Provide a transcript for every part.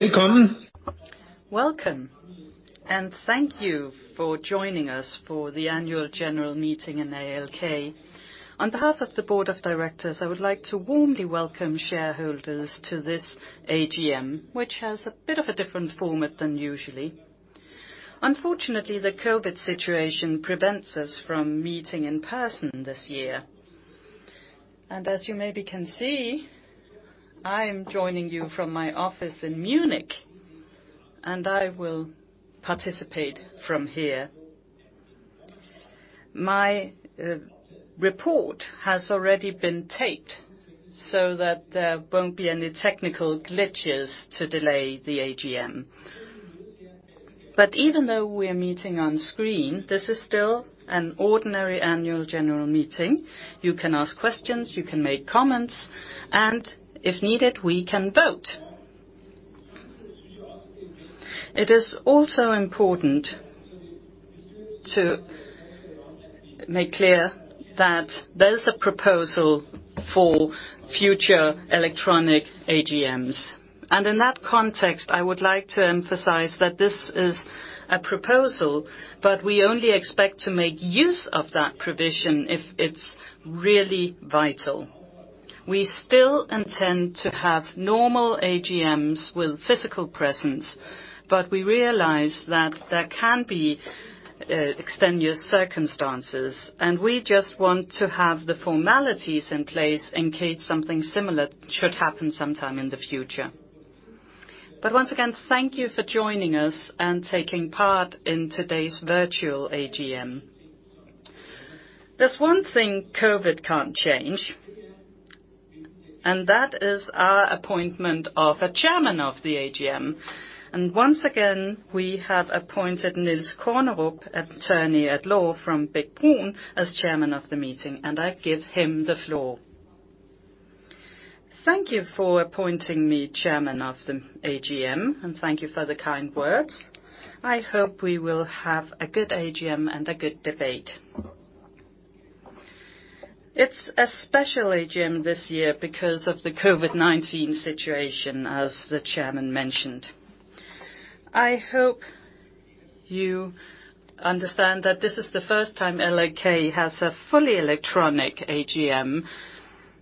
Welcome. Welcome, and thank you for joining us for the annual general meeting in ALK. On behalf of the board of directors, I would like to warmly welcome shareholders to this AGM, which has a bit of a different format than usually. Unfortunately, the COVID situation prevents us from meeting in person this year, and as you maybe can see, I am joining you from my office in Munich, and I will participate from here. My report has already been taped so that there won't be any technical glitches to delay the AGM, but even though we are meeting on screen, this is still an ordinary annual general meeting. You can ask questions, you can make comments, and if needed, we can vote. It is also important to make clear that there is a proposal for future electronic AGMs. In that context, I would like to emphasize that this is a proposal, but we only expect to make use of that provision if it's really vital. We still intend to have normal AGMs with physical presence, but we realize that there can be extraneous circumstances, and we just want to have the formalities in place in case something similar should happen sometime in the future. But once again, thank you for joining us and taking part in today's virtual AGM. There's one thing COVID can't change, and that is our appointment of a chairman of the AGM. And once again, we have appointed Niels Kornerup, attorney at law from Bech-Bruun, as chairman of the meeting, and I give him the floor. Thank you for appointing me chairman of the AGM, and thank you for the kind words. I hope we will have a good AGM and a good debate. It's a special AGM this year because of the COVID-19 situation, as the chairman mentioned. I hope you understand that this is the first time ALK has a fully electronic AGM,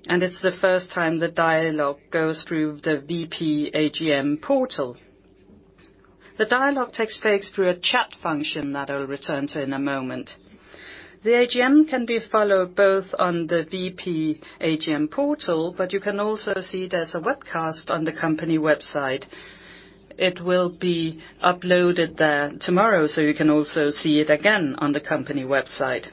and it's the first time the dialogue goes through the VP AGM portal. The dialogue takes place through a chat function that I'll return to in a moment. The AGM can be followed both on the VP AGM portal, but you can also see it as a webcast on the company website. It will be uploaded there tomorrow, so you can also see it again on the company website.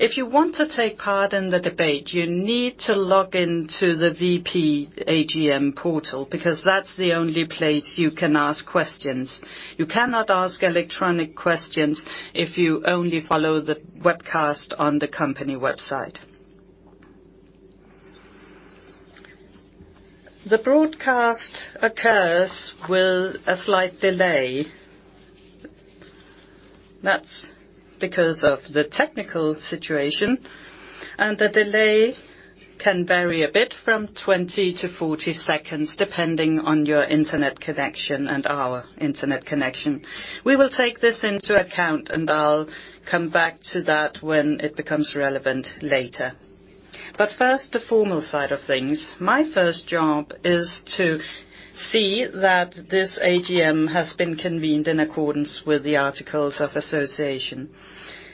If you want to take part in the debate, you need to log into the VP AGM portal because that's the only place you can ask questions. You cannot ask electronic questions if you only follow the webcast on the company website. The broadcast occurs with a slight delay. That's because of the technical situation, and the delay can vary a bit from 20-40 seconds depending on your internet connection and our internet connection. We will take this into account, and I'll come back to that when it becomes relevant later. But first, the formal side of things. My first job is to see that this AGM has been convened in accordance with the articles of association.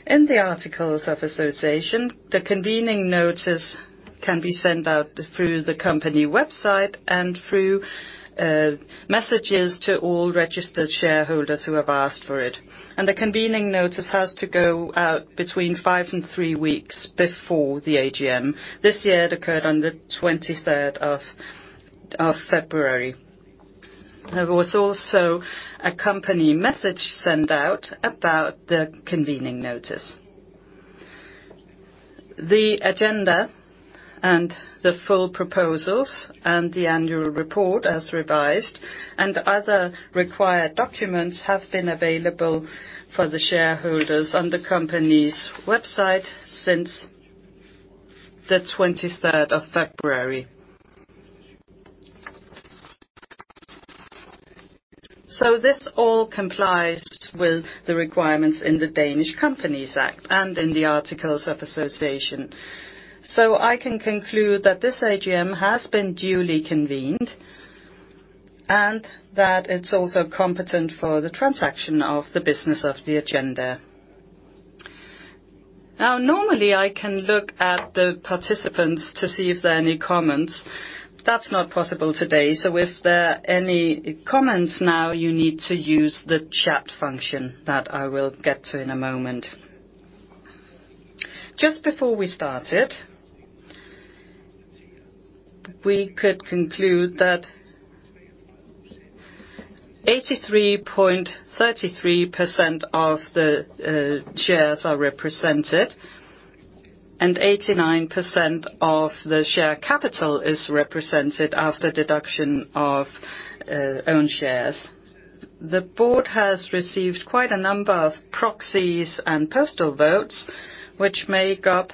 In the articles of association, the convening notice can be sent out through the company website and through messages to all registered shareholders who have asked for it. And the convening notice has to go out between five and three weeks before the AGM. This year, it occurred on the 23rd of February. There was also a company message sent out about the convening notice. The agenda and the full proposals and the annual report as revised and other required documents have been available for the shareholders on the company's website since the 23rd of February. So this all complies with the requirements in the Danish Companies Act and in the Articles of Association. So I can conclude that this AGM has been duly convened and that it's also competent for the transaction of the business of the agenda. Now, normally, I can look at the participants to see if there are any comments. That's not possible today. So if there are any comments now, you need to use the chat function that I will get to in a moment. Just before we started, we could conclude that 83.33% of the shares are represented and 89% of the share capital is represented after deduction of own shares. The board has received quite a number of proxies and postal votes, which make up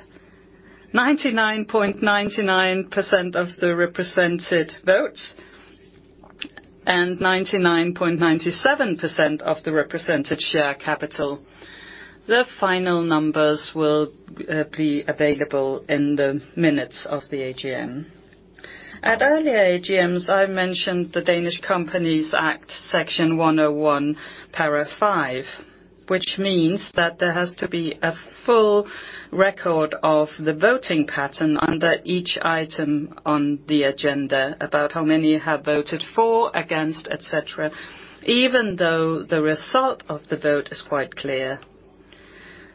99.99% of the represented votes and 99.97% of the represented share capital. The final numbers will be available in the minutes of the AGM. At earlier AGMs, I mentioned the Danish Companies Act, Section 101, Paragraph 5, which means that there has to be a full record of the voting pattern under each item on the agenda, about how many have voted for, against, etc., even though the result of the vote is quite clear.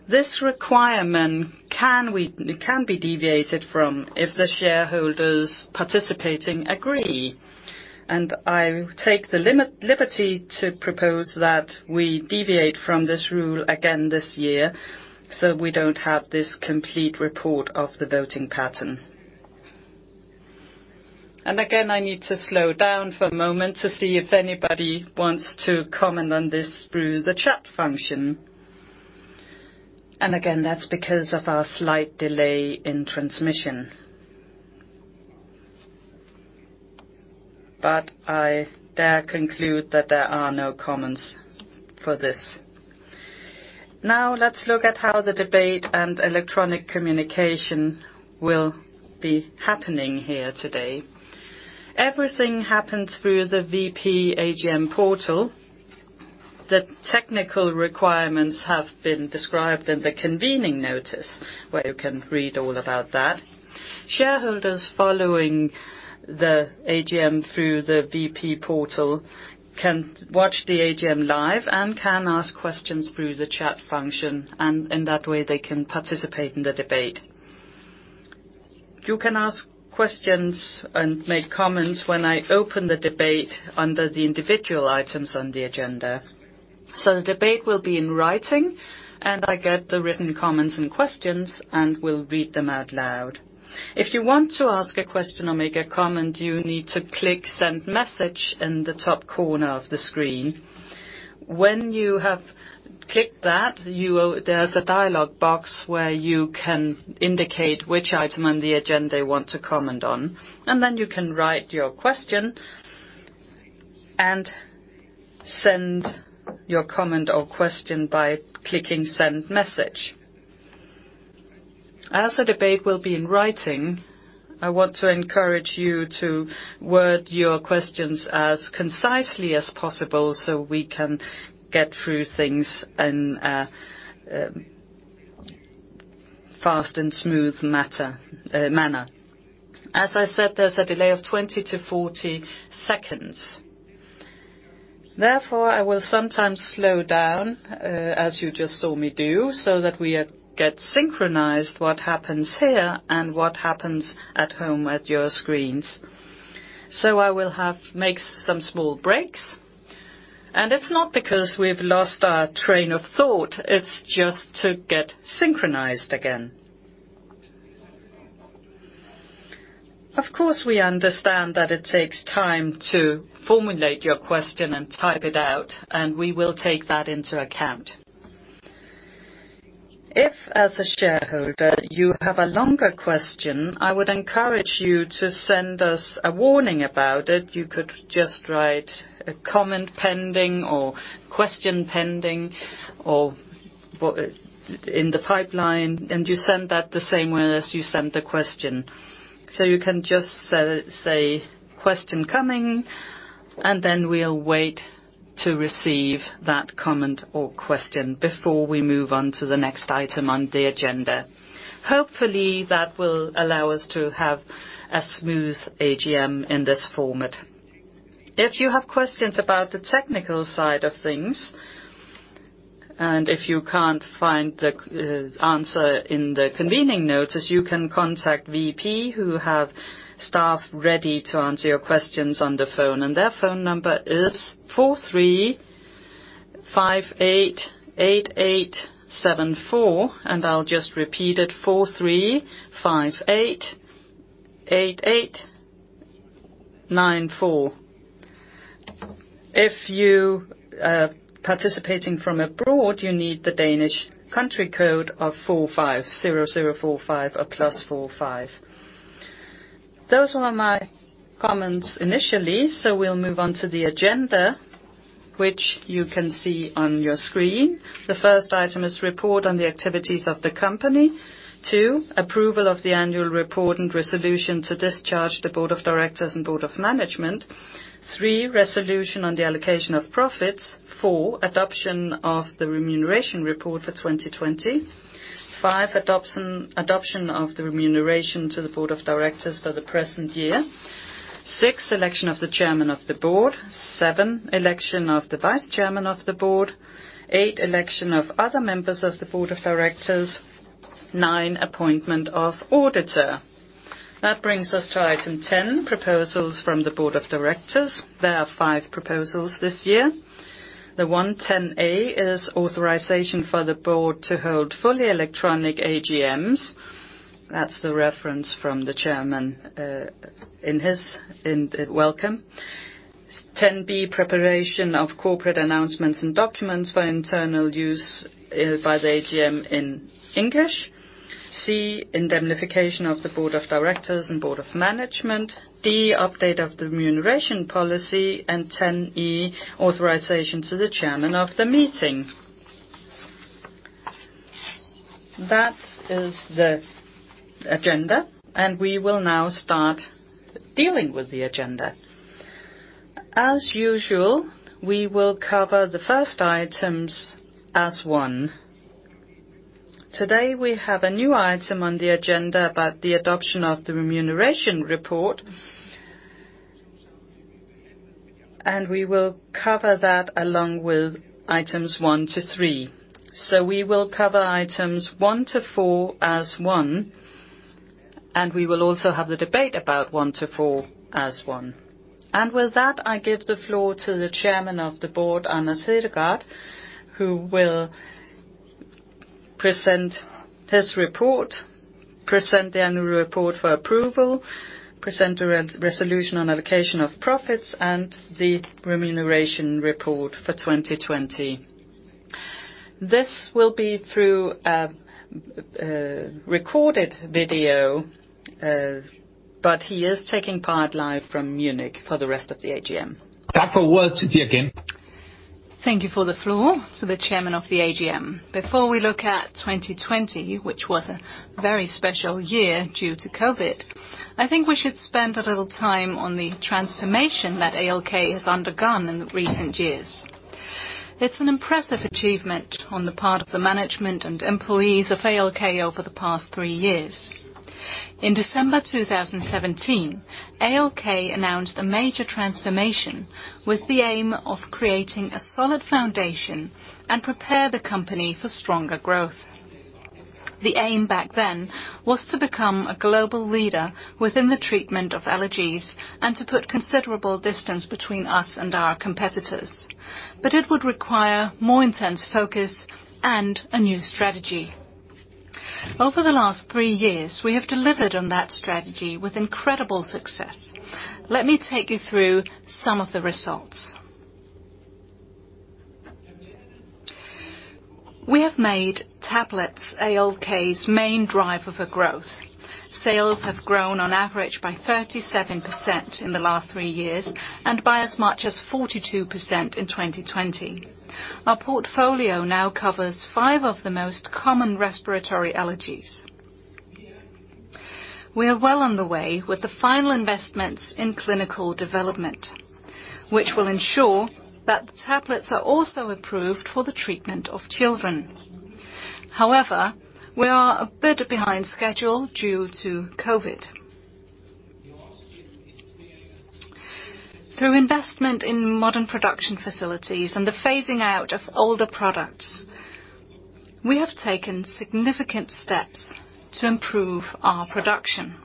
This requirement can be deviated from if the shareholders participating agree. And I take the liberty to propose that we deviate from this rule again this year so we don't have this complete report of the voting pattern. And again, I need to slow down for a moment to see if anybody wants to comment on this through the chat function. And again, that's because of our slight delay in transmission. But I dare conclude that there are no comments for this. Now, let's look at how the debate and electronic communication will be happening here today. Everything happens through the VP AGM portal. The technical requirements have been described in the convening notice, where you can read all about that. Shareholders following the AGM through the VP portal can watch the AGM live and can ask questions through the chat function, and in that way, they can participate in the debate. You can ask questions and make comments when I open the debate under the individual items on the agenda. So the debate will be in writing, and I get the written comments and questions and will read them out loud. If you want to ask a question or make a comment, you need to click "Send Message" in the top corner of the screen. When you have clicked that, there's a dialogue box where you can indicate which item on the agenda you want to comment on, and then you can write your question and send your comment or question by clicking "Send Message." As the debate will be in writing, I want to encourage you to word your questions as concisely as possible so we can get through things in a fast and smooth manner. As I said, there's a delay of 20 to 40 seconds. Therefore, I will sometimes slow down, as you just saw me do, so that we get synchronized what happens here and what happens at home at your screens. So I will make some small breaks. And it's not because we've lost our train of thought. It's just to get synchronized again. Of course, we understand that it takes time to formulate your question and type it out, and we will take that into account. If, as a shareholder, you have a longer question, I would encourage you to send us a warning about it. You could just write a comment pending or question pending in the pipeline, and you send that the same way as you send the question. So you can just say, "Question coming," and then we'll wait to receive that comment or question before we move on to the next item on the agenda. Hopefully, that will allow us to have a smooth AGM in this format. If you have questions about the technical side of things and if you can't find the answer in the convening notice, you can contact VP, who has staff ready to answer your questions on the phone, and their phone number is 435-888-74, and I'll just repeat it: 435-888-94. If you are participating from abroad, you need the Danish country code of 450045 or plus 45. Those were my comments initially, so we'll move on to the agenda, which you can see on your screen. The first item is report on the activities of the company. Two, approval of the annual report and resolution to discharge the Board of Directors and Board of Management. Three, resolution on the allocation of profits. Four, adoption of the remuneration report for 2020. Five, adoption of the remuneration to the Board of Directors for the present year. Six, election of the Chairman of the Board. Seven, election of the Vice Chairman of the Board. Eight, election of other members of the Board of Directors. Nine, appointment of auditor. That brings us to item 10, proposals from the Board of Directors. There are five proposals this year. The 10A is authorization for the Board to hold fully electronic AGMs. That's the reference from the chairman in his welcome. 10B, preparation of corporate announcements and documents for internal use by the AGM in English. C, indemnification of the Board of Directors and Board of Management. D, update of the remuneration policy. And 10E, authorization to the chairman of the meeting. That is the agenda, and we will now start dealing with the agenda. As usual, we will cover the first items as one. Today, we have a new item on the agenda about the adoption of the remuneration report, and we will cover that along with items one to three, so we will cover items one to three as one, and we will also have the debate about one to four as one, and with that, I give the floor to the Chairman of the Board, Anders Hedegaard, who will present his report, present the annual report for approval, present a resolution on allocation of profits, and the remuneration report for 2020. This will be through a recorded video, but he is taking part live from Munich for the rest of the AGM. Dr. Wirtz, dear again. Thank you for the floor to the chairman of the AGM. Before we look at 2020, which was a very special year due to COVID, I think we should spend a little time on the transformation that ALK has undergone in recent years. It's an impressive achievement on the part of the management and employees of ALK over the past three years. In December 2017, ALK announced a major transformation with the aim of creating a solid foundation and prepare the company for stronger growth. The aim back then was to become a global leader within the treatment of allergies and to put considerable distance between us and our competitors, but it would require more intense focus and a new strategy. Over the last three years, we have delivered on that strategy with incredible success. Let me take you through some of the results. We have made tablets ALK's main driver for growth. Sales have grown on average by 37% in the last three years and by as much as 42% in 2020. Our portfolio now covers five of the most common respiratory allergies. We are well on the way with the final investments in clinical development, which will ensure that the tablets are also approved for the treatment of children. However, we are a bit behind schedule due to COVID. Through investment in modern production facilities and the phasing out of older products, we have taken significant steps to improve our production.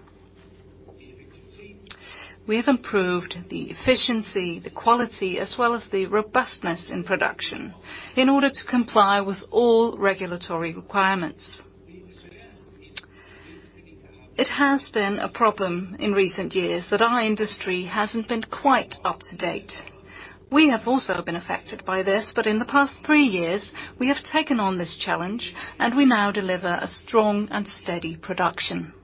We have improved the efficiency, the quality, as well as the robustness in production in order to comply with all regulatory requirements. It has been a problem in recent years that our industry hasn't been quite up to date. We have also been affected by this, but in the past three years, we have taken on this challenge, and we now deliver a strong and steady production.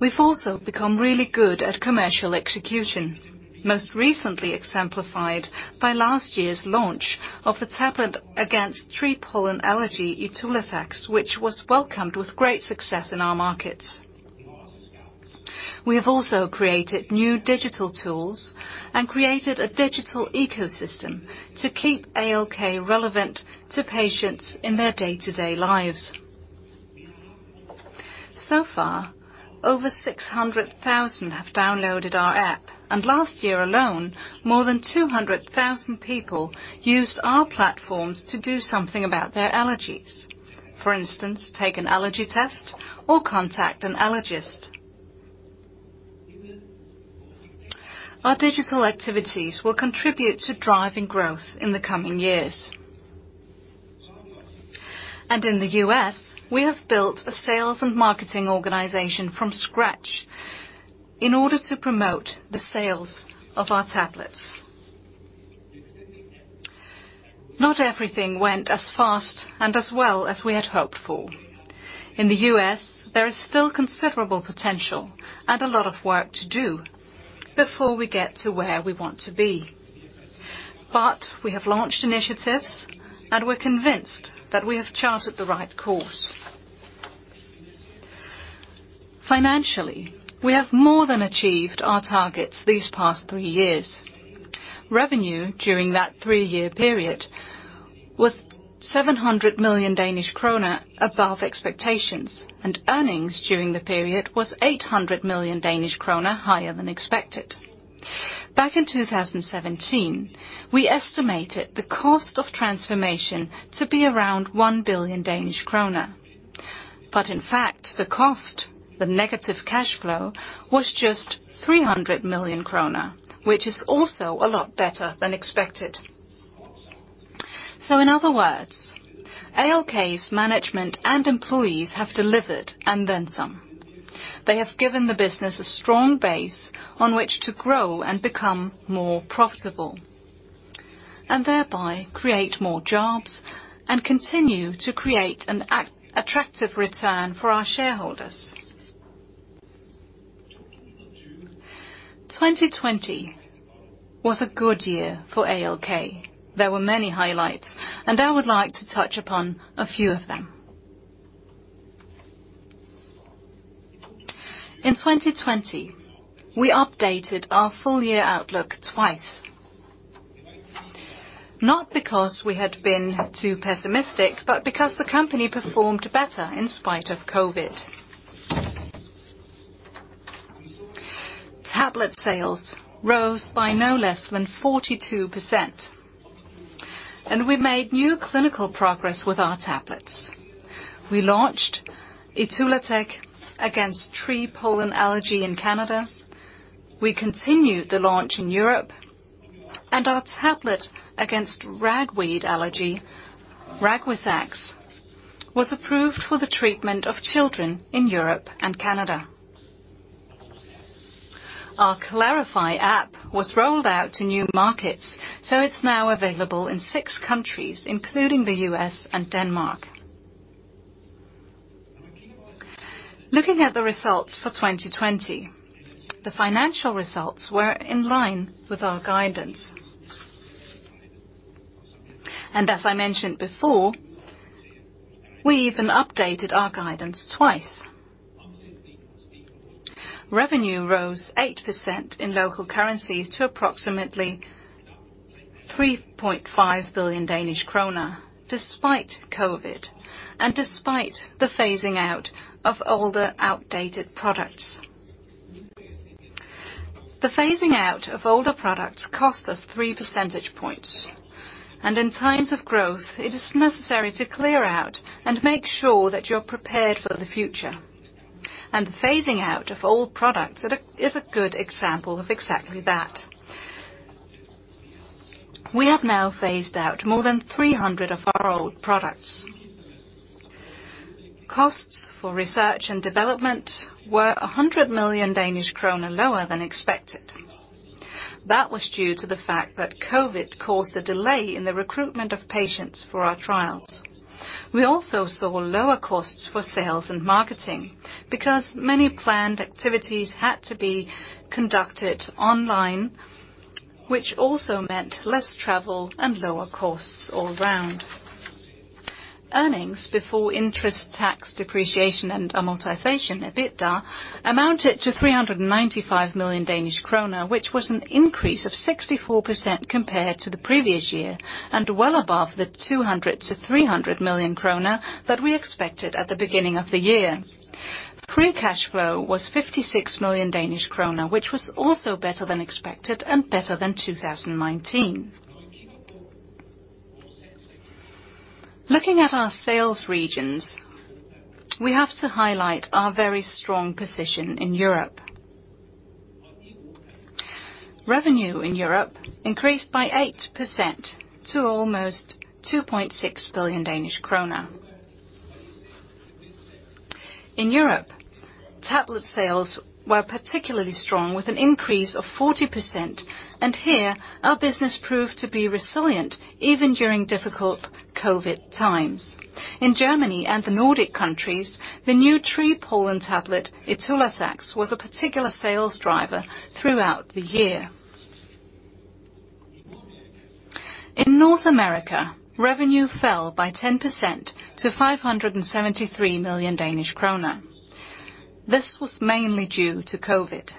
We've also become really good at commercial execution, most recently exemplified by last year's launch of the tablet against tree pollen allergy, Itulazax, which was welcomed with great success in our markets. We have also created new digital tools and created a digital ecosystem to keep ALK relevant to patients in their day-to-day lives. So far, over 600,000 have downloaded our app, and last year alone, more than 200,000 people used our platforms to do something about their allergies, for instance, take an allergy test or contact an allergist. Our digital activities will contribute to driving growth in the coming years. In the U.S., we have built a sales and marketing organization from scratch in order to promote the sales of our tablets. Not everything went as fast and as well as we had hoped for. In the U.S., there is still considerable potential and a lot of work to do before we get to where we want to be. But we have launched initiatives, and we're convinced that we have charted the right course. Financially, we have more than achieved our targets these past three years. Revenue during that three-year period was 700 million Danish kroner above expectations, and earnings during the period was 800 million Danish kroner higher than expected. Back in 2017, we estimated the cost of transformation to be around 1 billion Danish kroner, but in fact, the cost, the negative cash flow, was just 300 million krone, which is also a lot better than expected. So in other words, ALK's management and employees have delivered and then some. They have given the business a strong base on which to grow and become more profitable and thereby create more jobs and continue to create an attractive return for our shareholders. 2020 was a good year for ALK. There were many highlights, and I would like to touch upon a few of them. In 2020, we updated our full-year outlook twice, not because we had been too pessimistic, but because the company performed better in spite of COVID. Tablet sales rose by no less than 42%, and we made new clinical progress with our tablets. We launched Itulazax against tree pollen allergy in Canada. We continued the launch in Europe, and our tablet against ragweed allergy, Ragwizax, was approved for the treatment of children in Europe and Canada. Our Klaraify app was rolled out to new markets, so it's now available in six countries, including the U.S. and Denmark. Looking at the results for 2020, the financial results were in line with our guidance. And as I mentioned before, we even updated our guidance twice. Revenue rose 8% in local currencies to approximately 3.5 billion Danish kroner despite COVID and despite the phasing out of older outdated products. The phasing out of older products cost us 3 percentage points, and in times of growth, it is necessary to clear out and make sure that you're prepared for the future. And the phasing out of old products is a good example of exactly that. We have now phased out more than 300 of our old products. Costs for research and development were 100 million Danish kroner lower than expected. That was due to the fact that COVID caused a delay in the recruitment of patients for our trials. We also saw lower costs for sales and marketing because many planned activities had to be conducted online, which also meant less travel and lower costs all around. Earnings before interest, taxes, depreciation, and amortization amounted to 395 million Danish kroner, which was an increase of 64% compared to the previous year and well above the 200 million-300 million krone that we expected at the beginning of the year. Free cash flow was 56 million Danish krone, which was also better than expected and better than 2019. Looking at our sales regions, we have to highlight our very strong position in Europe. Revenue in Europe increased by 8% to almost DKK 2.6 billion. In Europe, tablet sales were particularly strong with an increase of 40%, and here our business proved to be resilient even during difficult COVID times. In Germany and the Nordic countries, the new tree pollen tablet, Itulazax, was a particular sales driver throughout the year. In North America, revenue fell by 10% to 573 million Danish kroner. This was mainly due to COVID.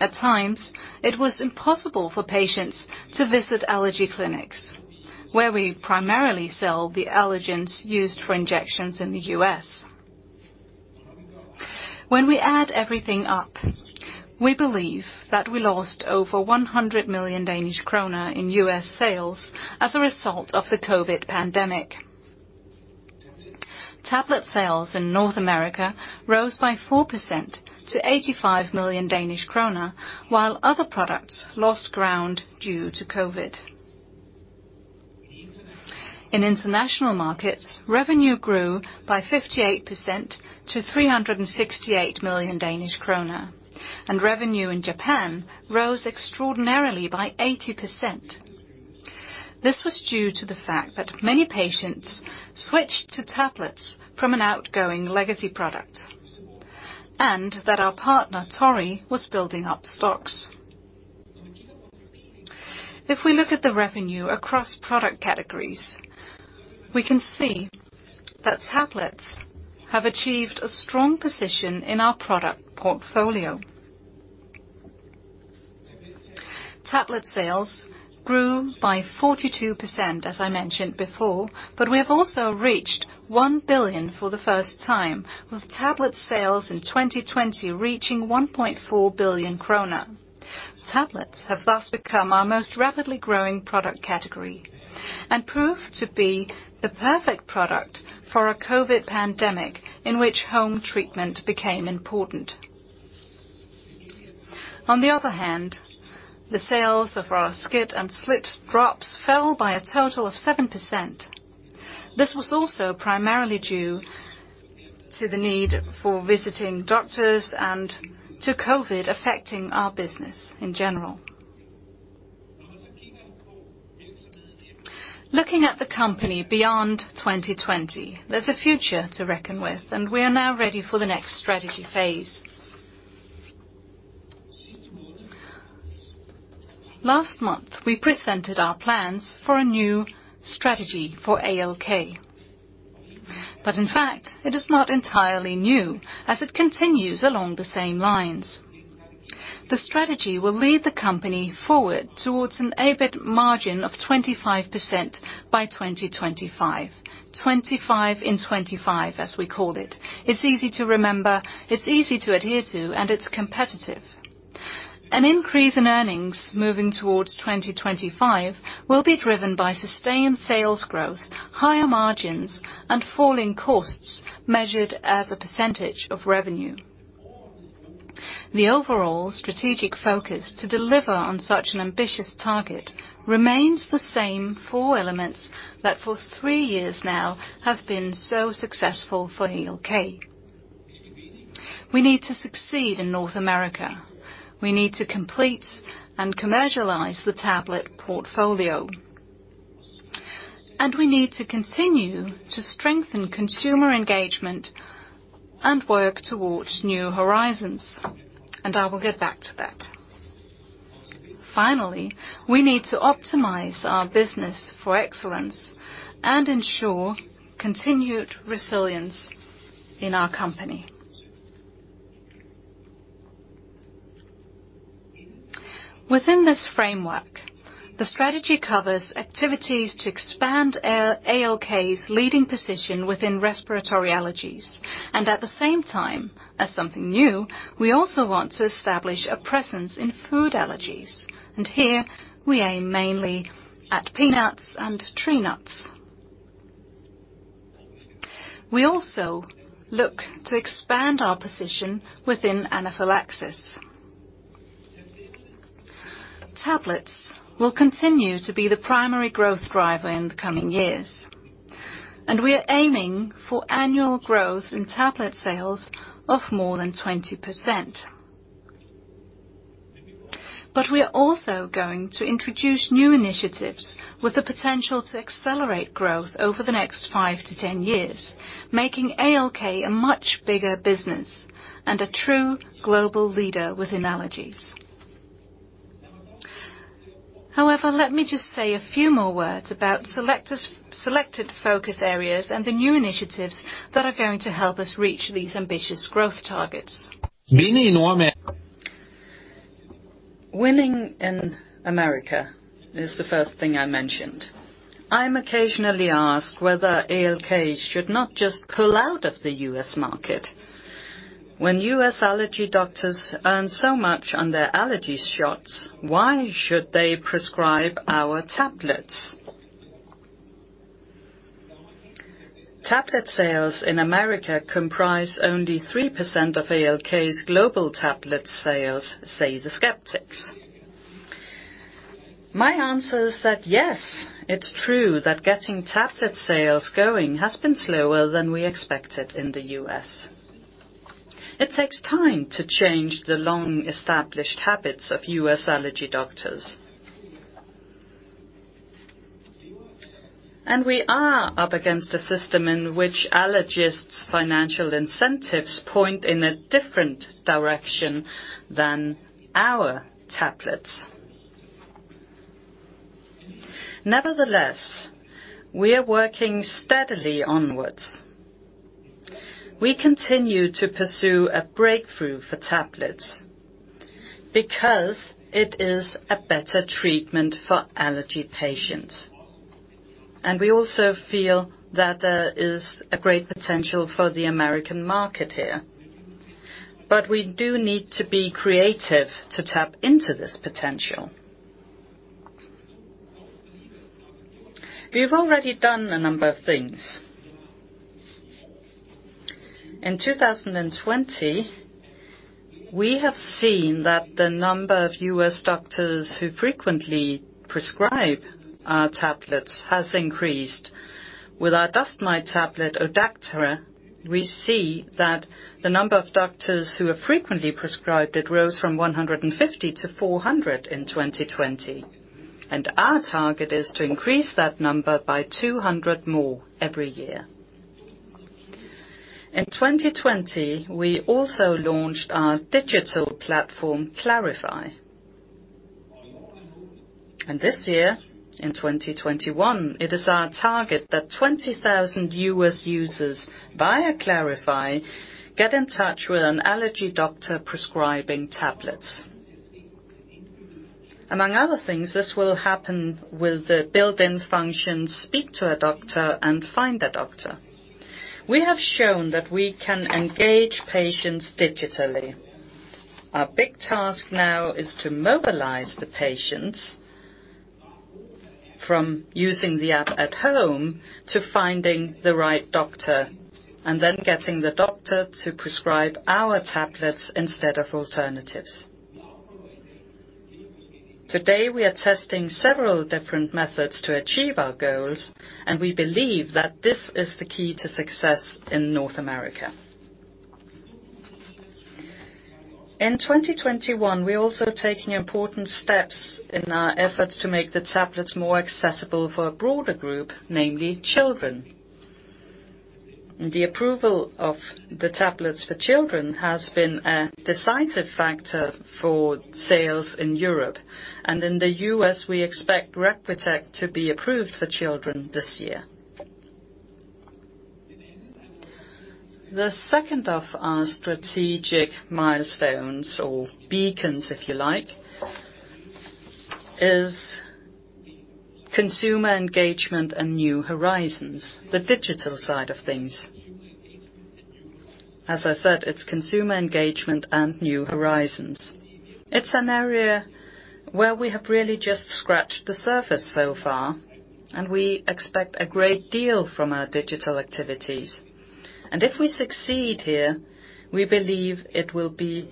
At times, it was impossible for patients to visit allergy clinics, where we primarily sell the allergens used for injections in the U.S. When we add everything up, we believe that we lost over 100 million Danish kroner in U.S. sales as a result of the COVID pandemic. Tablet sales in North America rose by 4% to 85 million Danish kroner, while other products lost ground due to COVID. In international markets, revenue grew by 58% to 368 million Danish kroner, and revenue in Japan rose extraordinarily by 80%. This was due to the fact that many patients switched to tablets from an outgoing legacy product and that our partner, Torii, was building up stocks. If we look at the revenue across product categories, we can see that tablets have achieved a strong position in our product portfolio. Tablet sales grew by 42%, as I mentioned before, but we have also reached 1 billion for the first time, with tablet sales in 2020 reaching 1.4 billion kroner. Tablets have thus become our most rapidly growing product category and proved to be the perfect product for a COVID pandemic in which home treatment became important. On the other hand, the sales of our SCIT and SLIT drops fell by a total of 7%. This was also primarily due to the need for visiting doctors and to COVID affecting our business in general. Looking at the company beyond 2020, there's a future to reckon with, and we are now ready for the next strategy phase. Last month, we presented our plans for a new strategy for ALK, but in fact, it is not entirely new as it continues along the same lines. The strategy will lead the company forward towards an EBIT margin of 25% by 2025, 25 in 25, as we call it. It's easy to remember, it's easy to adhere to, and it's competitive. An increase in earnings moving towards 2025 will be driven by sustained sales growth, higher margins, and falling costs measured as a percentage of revenue. The overall strategic focus to deliver on such an ambitious target remains the same four elements that for three years now have been so successful for ALK. We need to succeed in North America. We need to complete and commercialize the tablet portfolio, and we need to continue to strengthen consumer engagement and work towards new horizons, and I will get back to that. Finally, we need to optimize our business for excellence and ensure continued resilience in our company. Within this framework, the strategy covers activities to expand ALK's leading position within respiratory allergies, and at the same time, as something new, we also want to establish a presence in food allergies, and here we aim mainly at peanuts and tree nuts. We also look to expand our position within anaphylaxis. Tablets will continue to be the primary growth driver in the coming years, and we are aiming for annual growth in tablet sales of more than 20%. But we are also going to introduce new initiatives with the potential to accelerate growth over the next five to 10 years, making ALK a much bigger business and a true global leader within allergies. However, let me just say a few more words about selected focus areas and the new initiatives that are going to help us reach these ambitious growth targets. Winning in America is the first thing I mentioned. I'm occasionally asked whether ALK should not just pull out of the U.S. market. When U.S. allergy doctors earn so much on their allergy shots, why should they prescribe our tablets? Tablet sales in America comprise only 3% of ALK's global tablet sales, say the skeptics. My answer is that yes, it's true that getting tablet sales going has been slower than we expected in the U.S. It takes time to change the long-established habits of U.S. allergy doctors. And we are up against a system in which allergists' financial incentives point in a different direction than our tablets. Nevertheless, we are working steadily onwards. We continue to pursue a breakthrough for tablets because it is a better treatment for allergy patients, and we also feel that there is a great potential for the American market here. But we do need to be creative to tap into this potential. We've already done a number of things. In 2020, we have seen that the number of U.S. doctors who frequently prescribe our tablets has increased. With our dust mite tablet, Odactra, we see that the number of doctors who have frequently prescribed it rose from 150 to 400 in 2020, and our target is to increase that number by 200 more every year. In 2020, we also launched our digital platform, Klaraify, and this year, in 2021, it is our target that 20,000 U.S. users via Klaraify get in touch with an allergy doctor prescribing tablets. Among other things, this will happen with the built-in function, Speak to a Doctor, and Find a Doctor. We have shown that we can engage patients digitally. Our big task now is to mobilize the patients from using the app at home to finding the right doctor and then getting the doctor to prescribe our tablets instead of alternatives. Today, we are testing several different methods to achieve our goals, and we believe that this is the key to success in North America. In 2021, we are also taking important steps in our efforts to make the tablets more accessible for a broader group, namely children. The approval of the tablets for children has been a decisive factor for sales in Europe, and in the U.S., we expect Ragwitek to be approved for children this year. The second of our strategic milestones, or beacons if you like, is consumer engagement and new horizons, the digital side of things. As I said, it's consumer engagement and new horizons. It's an area where we have really just scratched the surface so far, and we expect a great deal from our digital activities. If we succeed here, we believe it will be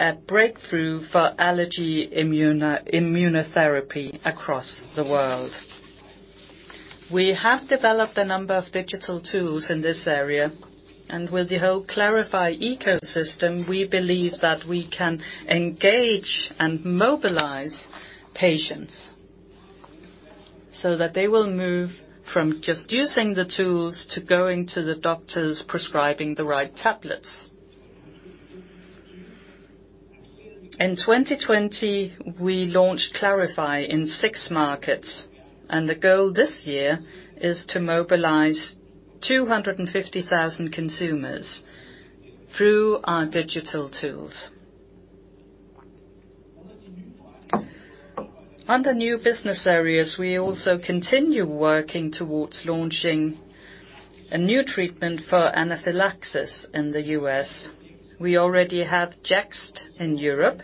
a breakthrough for allergy immunotherapy across the world. We have developed a number of digital tools in this area, and with the whole Klaraify ecosystem, we believe that we can engage and mobilize patients so that they will move from just using the tools to going to the doctors prescribing the right tablets. In 2020, we launched Klaraify in six markets, and the goal this year is to mobilize 250,000 consumers through our digital tools. Under new business areas, we also continue working towards launching a new treatment for anaphylaxis in the U.S. We already have Jext in Europe,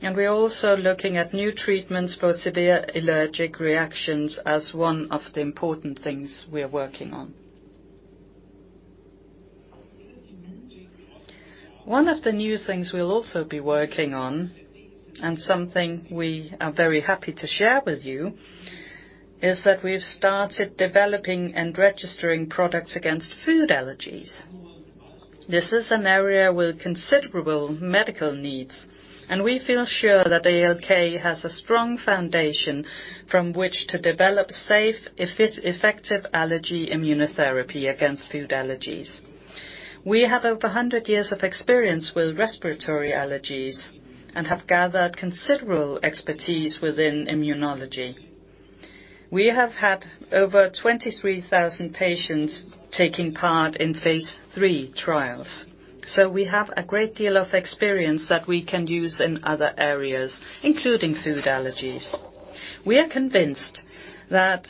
and we are also looking at new treatments for severe allergic reactions as one of the important things we are working on. One of the new things we'll also be working on, and something we are very happy to share with you, is that we've started developing and registering products against food allergies. This is an area with considerable medical needs, and we feel sure that ALK has a strong foundation from which to develop safe, effective allergy immunotherapy against food allergies. We have over 100 years of experience with respiratory allergies and have gathered considerable expertise within immunology. We have had over 23,000 patients taking part in phase three trials, so we have a great deal of experience that we can use in other areas, including food allergies. We are convinced that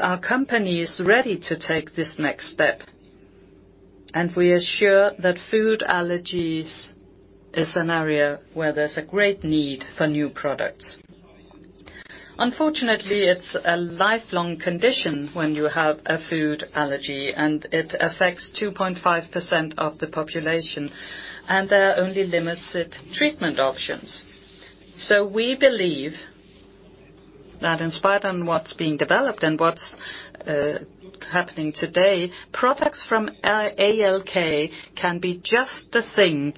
our company is ready to take this next step, and we are sure that food allergies is an area where there's a great need for new products. Unfortunately, it's a lifelong condition when you have a food allergy, and it affects 2.5% of the population, and there are only limited treatment options. We believe that in spite of what's being developed and what's happening today, products from ALK can be just the thing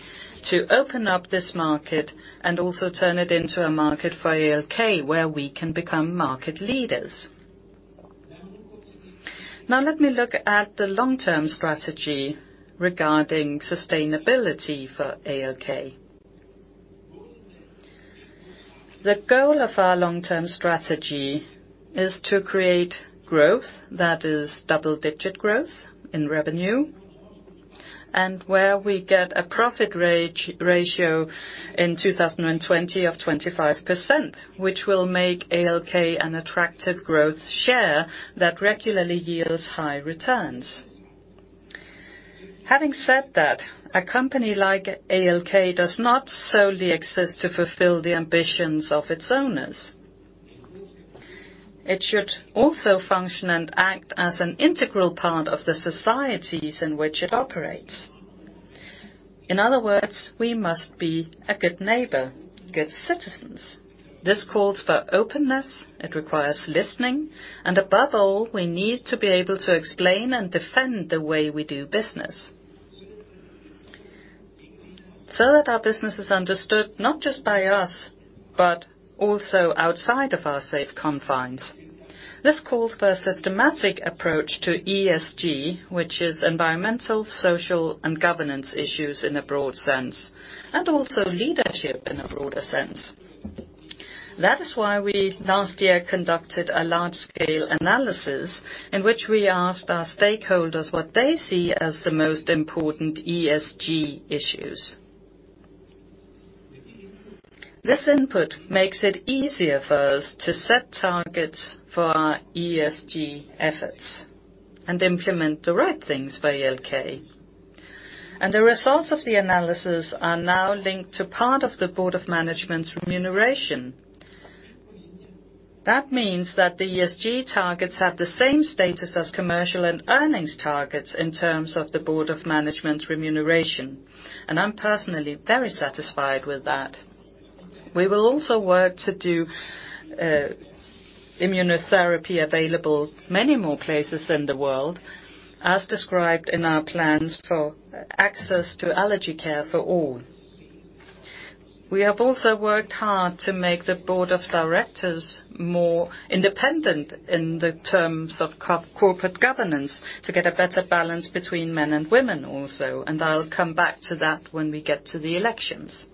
to open up this market and also turn it into a market for ALK where we can become market leaders. Now, let me look at the long-term strategy regarding sustainability for ALK. The goal of our long-term strategy is to create growth, that is, double-digit growth in revenue, and where we get a profit ratio in 2020 of 25%, which will make ALK an attractive growth share that regularly yields high returns. Having said that, a company like ALK does not solely exist to fulfill the ambitions of its owners. It should also function and act as an integral part of the societies in which it operates. In other words, we must be a good neighbor, good citizens. This calls for openness. It requires listening, and above all, we need to be able to explain and defend the way we do business so that our business is understood not just by us, but also outside of our safe confines. This calls for a systematic approach to ESG, which is environmental, social, and governance issues in a broad sense, and also leadership in a broader sense. That is why we last year conducted a large-scale analysis in which we asked our stakeholders what they see as the most important ESG issues. This input makes it easier for us to set targets for our ESG efforts and implement the right things for ALK. The results of the analysis are now linked to part of the board of management's remuneration. That means that the ESG targets have the same status as commercial and earnings targets in terms of the Board of Management's remuneration, and I'm personally very satisfied with that. We will also work to do immunotherapy available in many more places in the world, as described in our plans for access to allergy care for all. We have also worked hard to make the Board of Directors more independent in the terms of corporate governance to get a better balance between men and women also, and I'll come back to that when we get to the elections.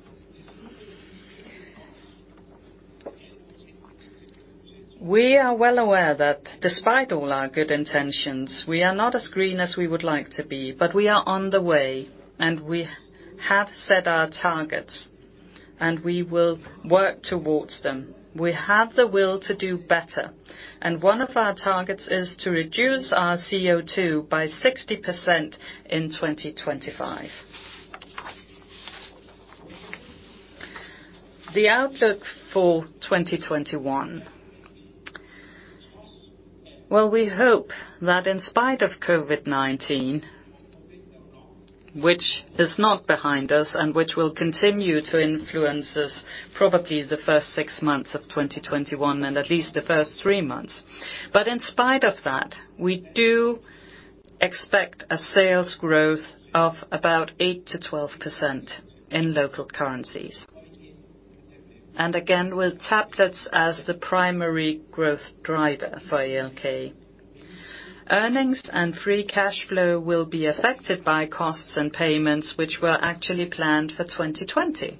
We are well aware that despite all our good intentions, we are not as green as we would like to be, but we are on the way, and we have set our targets, and we will work towards them. We have the will to do better, and one of our targets is to reduce our CO2 by 60% in 2025. The outlook for 2021, well, we hope that in spite of COVID-19, which is not behind us and which will continue to influence us probably the first six months of 2021 and at least the first three months, but in spite of that, we do expect a sales growth of about 8%-12% in local currencies. And again, we'll tap this as the primary growth driver for ALK. Earnings and free cash flow will be affected by costs and payments which were actually planned for 2020.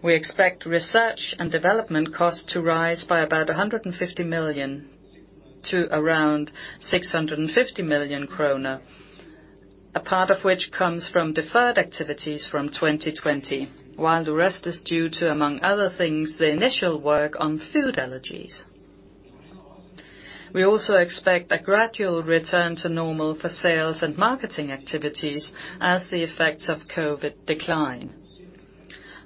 We expect research and development costs to rise by about 150 million to around 650 million kroner, a part of which comes from deferred activities from 2020, while the rest is due to, among other things, the initial work on food allergies. We also expect a gradual return to normal for sales and marketing activities as the effects of COVID decline.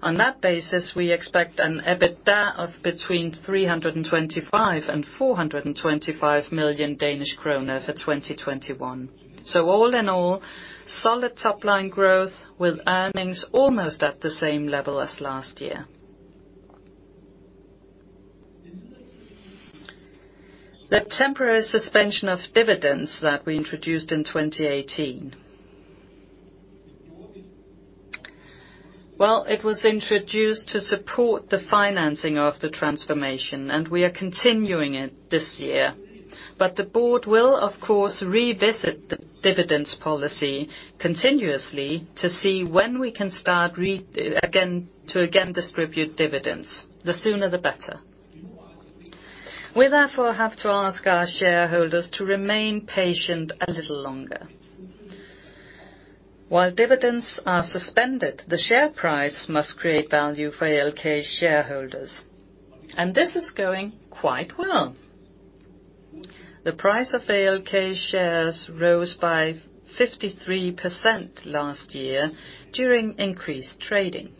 On that basis, we expect an EBITDA of between 325 million and 425 million Danish kroner for 2021. So all in all, solid top-line growth with earnings almost at the same level as last year. The temporary suspension of dividends that we introduced in 2018, well, it was introduced to support the financing of the transformation, and we are continuing it this year. But the board will, of course, revisit the dividends policy continuously to see when we can start again to again distribute dividends. The sooner, the better. We therefore have to ask our shareholders to remain patient a little longer. While dividends are suspended, the share price must create value for ALK shareholders, and this is going quite well. The price of ALK shares rose by 53% last year during increased trading.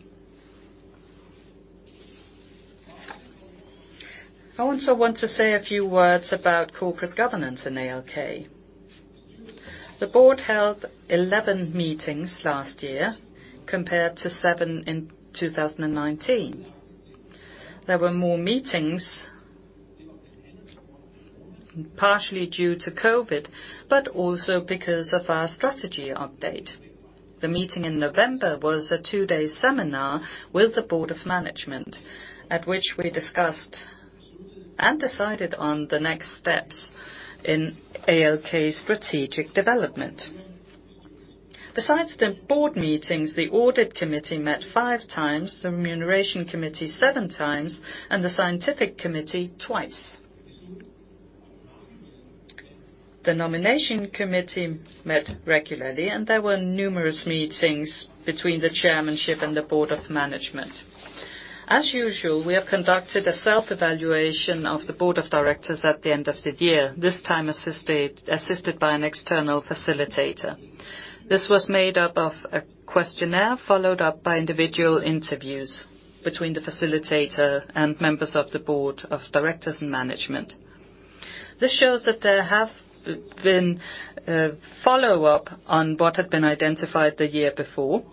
I also want to say a few words about corporate governance in ALK. The Board held 11 meetings last year compared to 7 in 2019. There were more meetings partially due to COVID, but also because of our strategy update. The meeting in November was a two-day seminar with the Board of Management at which we discussed and decided on the next steps in ALK's strategic development. Besides the Board meetings, the Audit Committee met five times, the Remuneration Committee seven times, and the Scientific Committee twice. The Nomination Committee met regularly, and there were numerous meetings between the chairmanship and the Board of Management. As usual, we have conducted a self-evaluation of the board of directors at the end of the year, this time assisted by an external facilitator. This was made up of a questionnaire followed up by individual interviews between the facilitator and members of the board of directors and management. This shows that there have been follow-up on what had been identified the year before.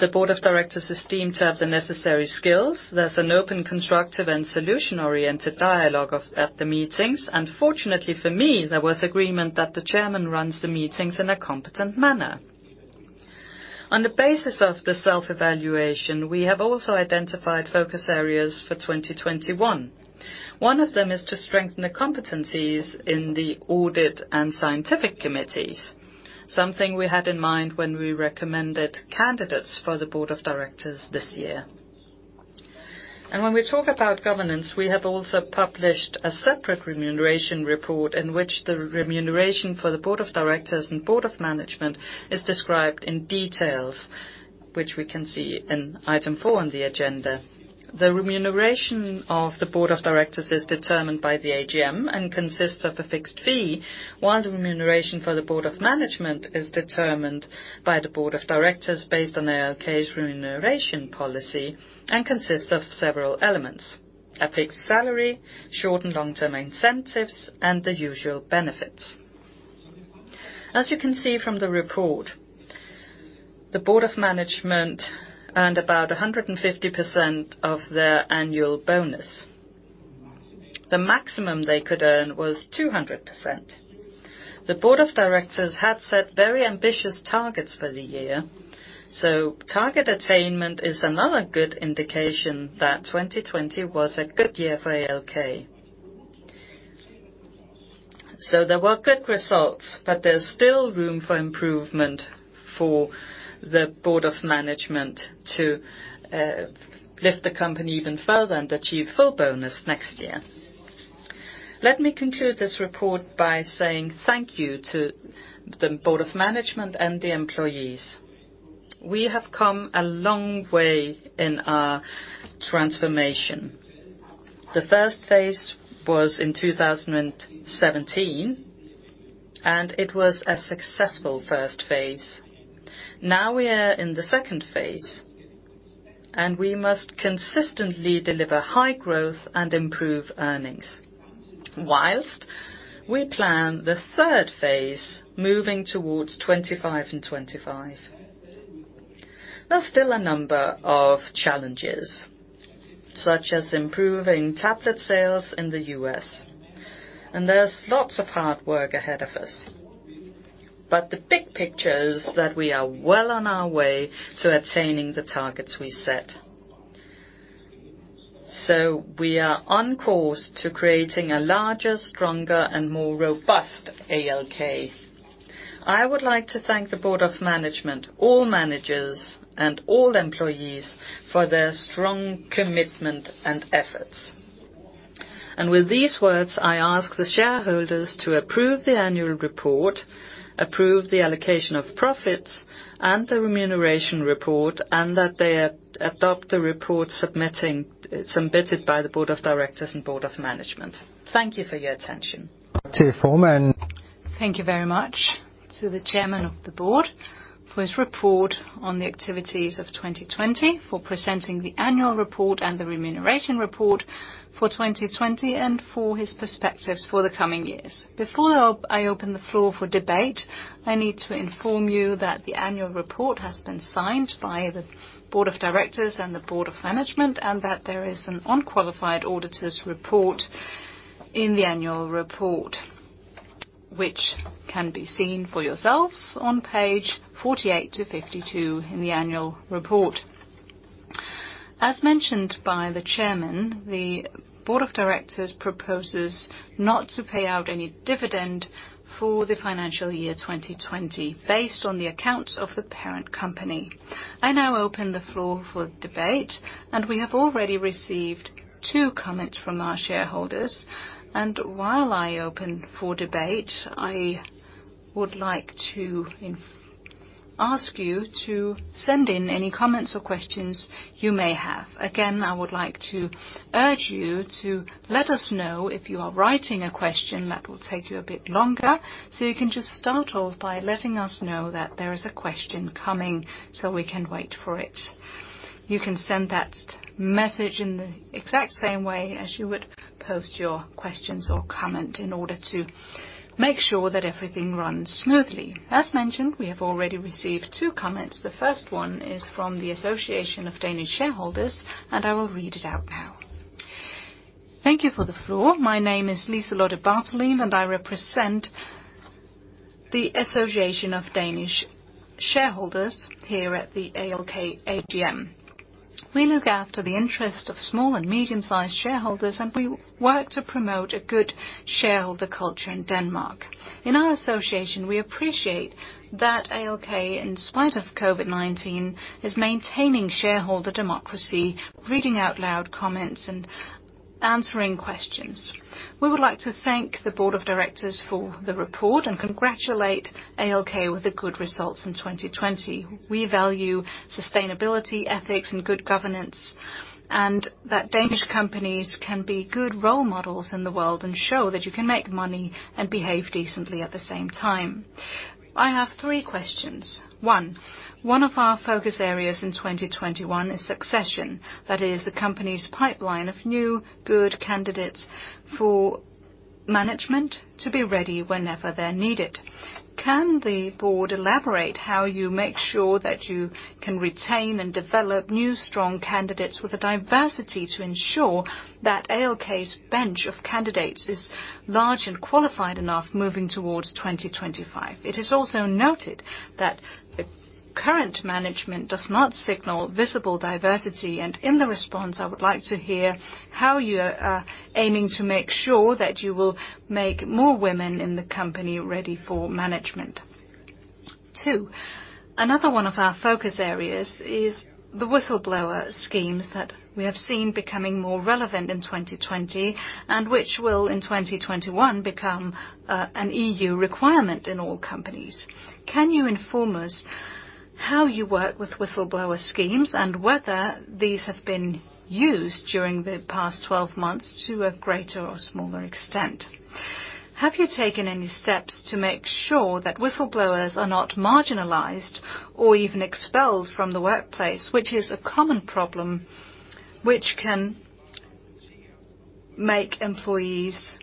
The board of directors is deemed to have the necessary skills. There's an open, constructive, and solution-oriented dialogue at the meetings, and fortunately for me, there was agreement that the chairman runs the meetings in a competent manner. On the basis of the self-evaluation, we have also identified focus areas for 2021. One of them is to strengthen the competencies in the audit and Scientific Committees, something we had in mind when we recommended candidates for the board of directors this year. When we talk about governance, we have also published a separate remuneration report in which the remuneration for the Board of Directors and Board of Management is described in detail, which we can see in item four on the agenda. The remuneration of the Board of Directors is determined by the AGM and consists of a fixed fee, while the remuneration for the Board of Management is determined by the Board of Directors based on ALK's remuneration policy and consists of several elements: a fixed salary, short- and long-term incentives, and the usual benefits. As you can see from the report, the Board of Management earned about 150% of their annual bonus. The maximum they could earn was 200%. The Board of Directors had set very ambitious targets for the year, so target attainment is another good indication that 2020 was a good year for ALK. So there were good results, but there's still room for improvement for the Board of Management to lift the company even further and achieve full bonus next year. Let me conclude this report by saying thank you to the Board of Management and the employees. We have come a long way in our transformation. The first phase was in 2017, and it was a successful first phase. Now we are in the second phase, and we must consistently deliver high growth and improve earnings whilst we plan the third phase moving towards 25 and 25. There's still a number of challenges, such as improving tablet sales in the U.S., and there's lots of hard work ahead of us. But the big picture is that we are well on our way to attaining the targets we set. So we are on course to creating a larger, stronger, and more robust ALK. I would like to thank the Board of Management, all managers, and all employees for their strong commitment and efforts, and with these words, I ask the shareholders to approve the annual report, approve the allocation of profits, and the remuneration report, and that they adopt the report submitted by the Board of Directors and Board of Management. Thank you for your attention. Thank you very much to the Chairman of the Board for his report on the activities of 2020, for presenting the annual report and the remuneration report for 2020, and for his perspectives for the coming years. Before I open the floor for debate, I need to inform you that the annual report has been signed by the Board of Directors and the Board of Management, and that there is an unqualified auditor's report in the annual report, which can be seen for yourselves on page 48 to 52 in the annual report. As mentioned by the Chairman, the Board of Directors proposes not to pay out any dividend for the financial year 2020 based on the accounts of the parent company. I now open the floor for debate, and we have already received two comments from our shareholders. And while I open for debate, I would like to ask you to send in any comments or questions you may have. Again, I would like to urge you to let us know if you are writing a question that will take you a bit longer, so you can just start off by letting us know that there is a question coming so we can wait for it. You can send that message in the exact same way as you would post your questions or comment in order to make sure that everything runs smoothly. As mentioned, we have already received two comments. The first one is from the Association of Danish Shareholders, and I will read it out now. Thank you for the floor. My name is Lise-Lotte Bertelsen, and I represent the Association of Danish Shareholders here at the ALK AGM. We look after the interests of small and medium-sized shareholders, and we work to promote a good shareholder culture in Denmark. In our association, we appreciate that ALK, in spite of COVID-19, is maintaining shareholder democracy, reading out loud comments, and answering questions. We would like to thank the board of directors for the report and congratulate ALK with the good results in 2020. We value sustainability, ethics, and good governance, and that Danish companies can be good role models in the world and show that you can make money and behave decently at the same time. I have three questions. One, one of our focus areas in 2021 is succession, that is, the company's pipeline of new good candidates for management to be ready whenever they're needed. Can the board elaborate how you make sure that you can retain and develop new strong candidates with a diversity to ensure that ALK's bench of candidates is large and qualified enough moving towards 2025? It is also noted that the current management does not signal visible diversity, and in the response, I would like to hear how you are aiming to make sure that you will make more women in the company ready for management. Two, another one of our focus areas is the whistleblower schemes that we have seen becoming more relevant in 2020 and which will, in 2021, become an EU requirement in all companies. Can you inform us how you work with whistleblower schemes and whether these have been used during the past 12 months to a greater or smaller extent? Have you taken any steps to make sure that whistleblowers are not marginalized or even expelled from the workplace, which is a common problem which can make employees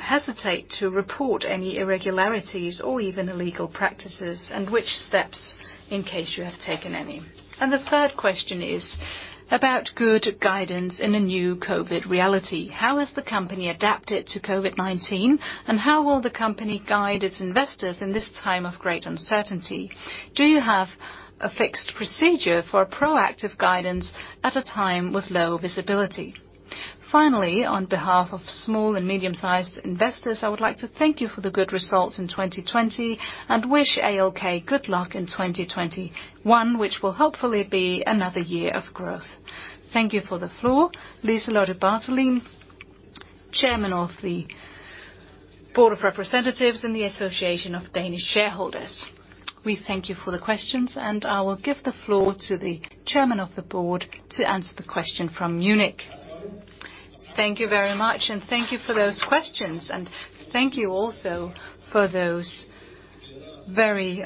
hesitate to report any irregularities or even illegal practices, and which steps in case you have taken any? The third question is about good guidance in a new COVID reality. How has the company adapted to COVID-19, and how will the company guide its investors in this time of great uncertainty? Do you have a fixed procedure for proactive guidance at a time with low visibility? Finally, on behalf of small and medium-sized investors, I would like to thank you for the good results in 2020 and wish ALK good luck in 2021, which will hopefully be another year of growth. Thank you for the floor, Lise-Lotte Bertelsen, chairman of the board of representatives and the Association of Danish Shareholders. We thank you for the questions, and I will give the floor to the chairman of the board to answer the question from Munich. Thank you very much, and thank you for those questions, and thank you also for those very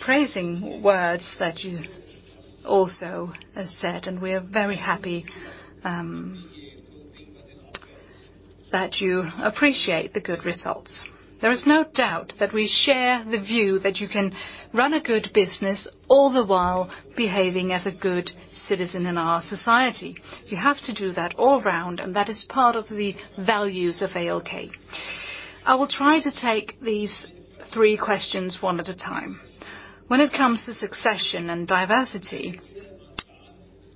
praising words that you also said. And we are very happy that you appreciate the good results. There is no doubt that we share the view that you can run a good business all the while behaving as a good citizen in our society. You have to do that all round, and that is part of the values of ALK. I will try to take these three questions one at a time. When it comes to succession and diversity,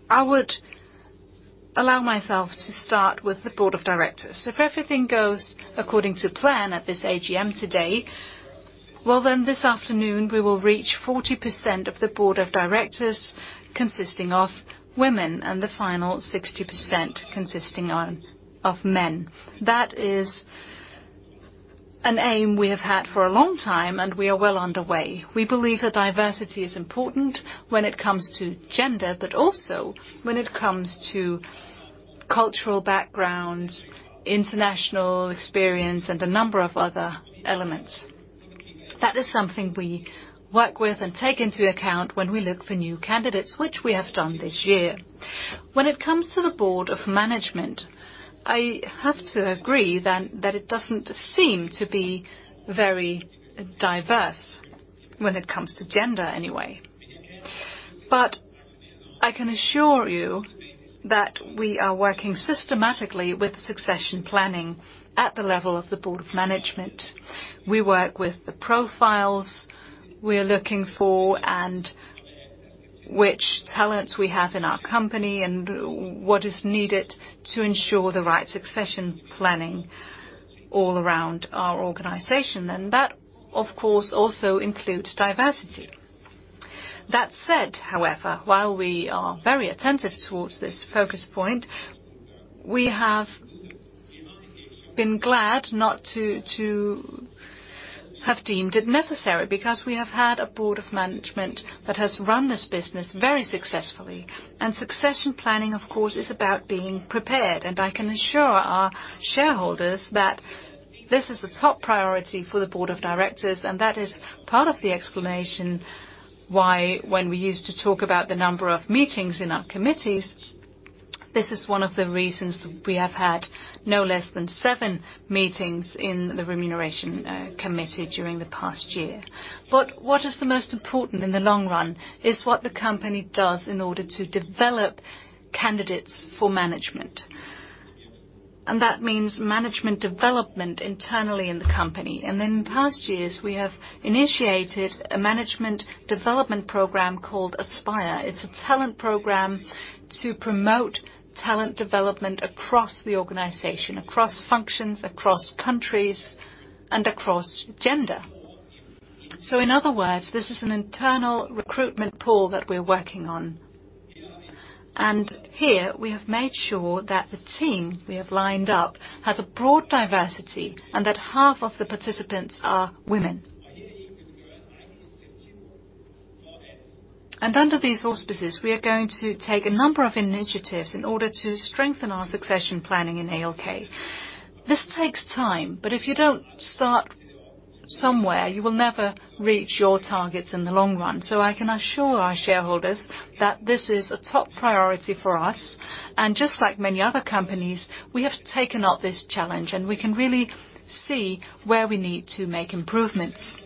I would allow myself to start with the Board of Directors. If everything goes according to plan at this AGM today, well then this afternoon we will reach 40% of the Board of Directors consisting of women and the final 60% consisting of men. That is an aim we have had for a long time, and we are well underway. We believe that diversity is important when it comes to gender, but also when it comes to cultural backgrounds, international experience, and a number of other elements. That is something we work with and take into account when we look for new candidates, which we have done this year. When it comes to the board of management, I have to agree that it doesn't seem to be very diverse when it comes to gender anyway. But I can assure you that we are working systematically with succession planning at the level of the board of management. We work with the profiles we are looking for and which talents we have in our company and what is needed to ensure the right succession planning all around our organization, and that, of course, also includes diversity. That said, however, while we are very attentive towards this focus point, we have been glad not to have deemed it necessary because we have had a Board of Management that has run this business very successfully. And succession planning, of course, is about being prepared, and I can assure our shareholders that this is a top priority for the Board of Directors, and that is part of the explanation why, when we used to talk about the number of meetings in our committees, this is one of the reasons we have had no less than seven meetings in the Remuneration Committee during the past year. But what is the most important in the long run is what the company does in order to develop candidates for management. And that means management development internally in the company. And in past years, we have initiated a management development program called Aspire. It's a talent program to promote talent development across the organization, across functions, across countries, and across gender, so in other words, this is an internal recruitment pool that we're working on, and here, we have made sure that the team we have lined up has a broad diversity and that half of the participants are women, and under these auspices, we are going to take a number of initiatives in order to strengthen our succession planning in ALK. This takes time, but if you don't start somewhere, you will never reach your targets in the long run, so I can assure our shareholders that this is a top priority for us, and just like many other companies, we have taken up this challenge, and we can really see where we need to make improvements.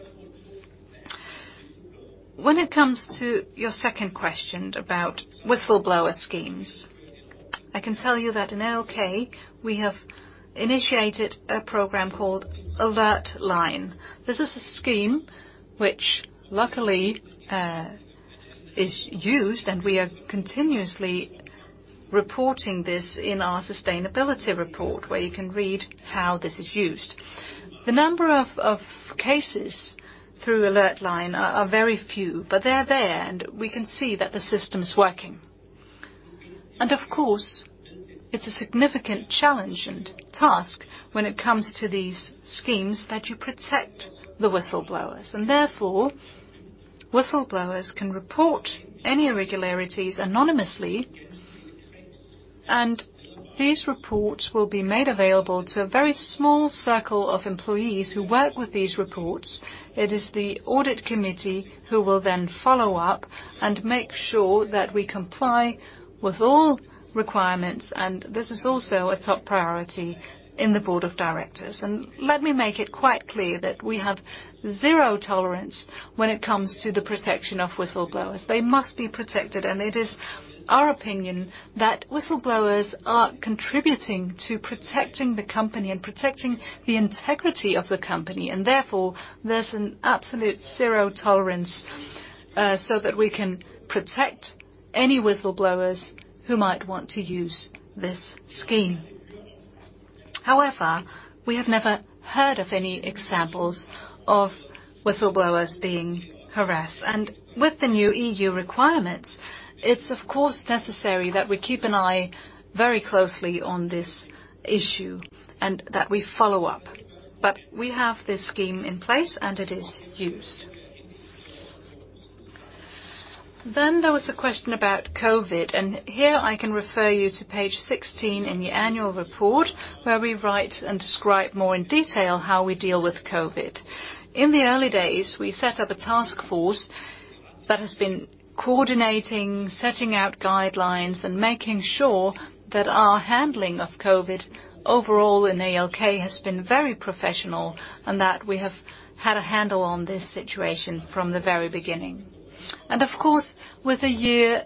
When it comes to your second question about whistleblower schemes, I can tell you that in ALK, we have initiated a program called Alertline. This is a scheme which, luckily, is used, and we are continuously reporting this in our sustainability report where you can read how this is used. The number of cases through Alertline are very few, but they're there, and we can see that the system is working. And, of course, it's a significant challenge and task when it comes to these schemes that you protect the whistleblowers. And therefore, whistleblowers can report any irregularities anonymously, and these reports will be made available to a very small circle of employees who work with these reports. It is the Audit Committee who will then follow up and make sure that we comply with all requirements, and this is also a top priority in the Board of Directors, and let me make it quite clear that we have zero tolerance when it comes to the protection of whistleblowers. They must be protected, and it is our opinion that whistleblowers are contributing to protecting the company and protecting the integrity of the company, and therefore, there's an absolute zero tolerance so that we can protect any whistleblowers who might want to use this scheme. However, we have never heard of any examples of whistleblowers being harassed, and with the new EU requirements, it's, of course, necessary that we keep an eye very closely on this issue and that we follow up, but we have this scheme in place, and it is used. Then there was the question about COVID, and here I can refer you to page 16 in the annual report where we write and describe more in detail how we deal with COVID. In the early days, we set up a task force that has been coordinating, setting out guidelines, and making sure that our handling of COVID overall in ALK has been very professional and that we have had a handle on this situation from the very beginning. And, of course, with a year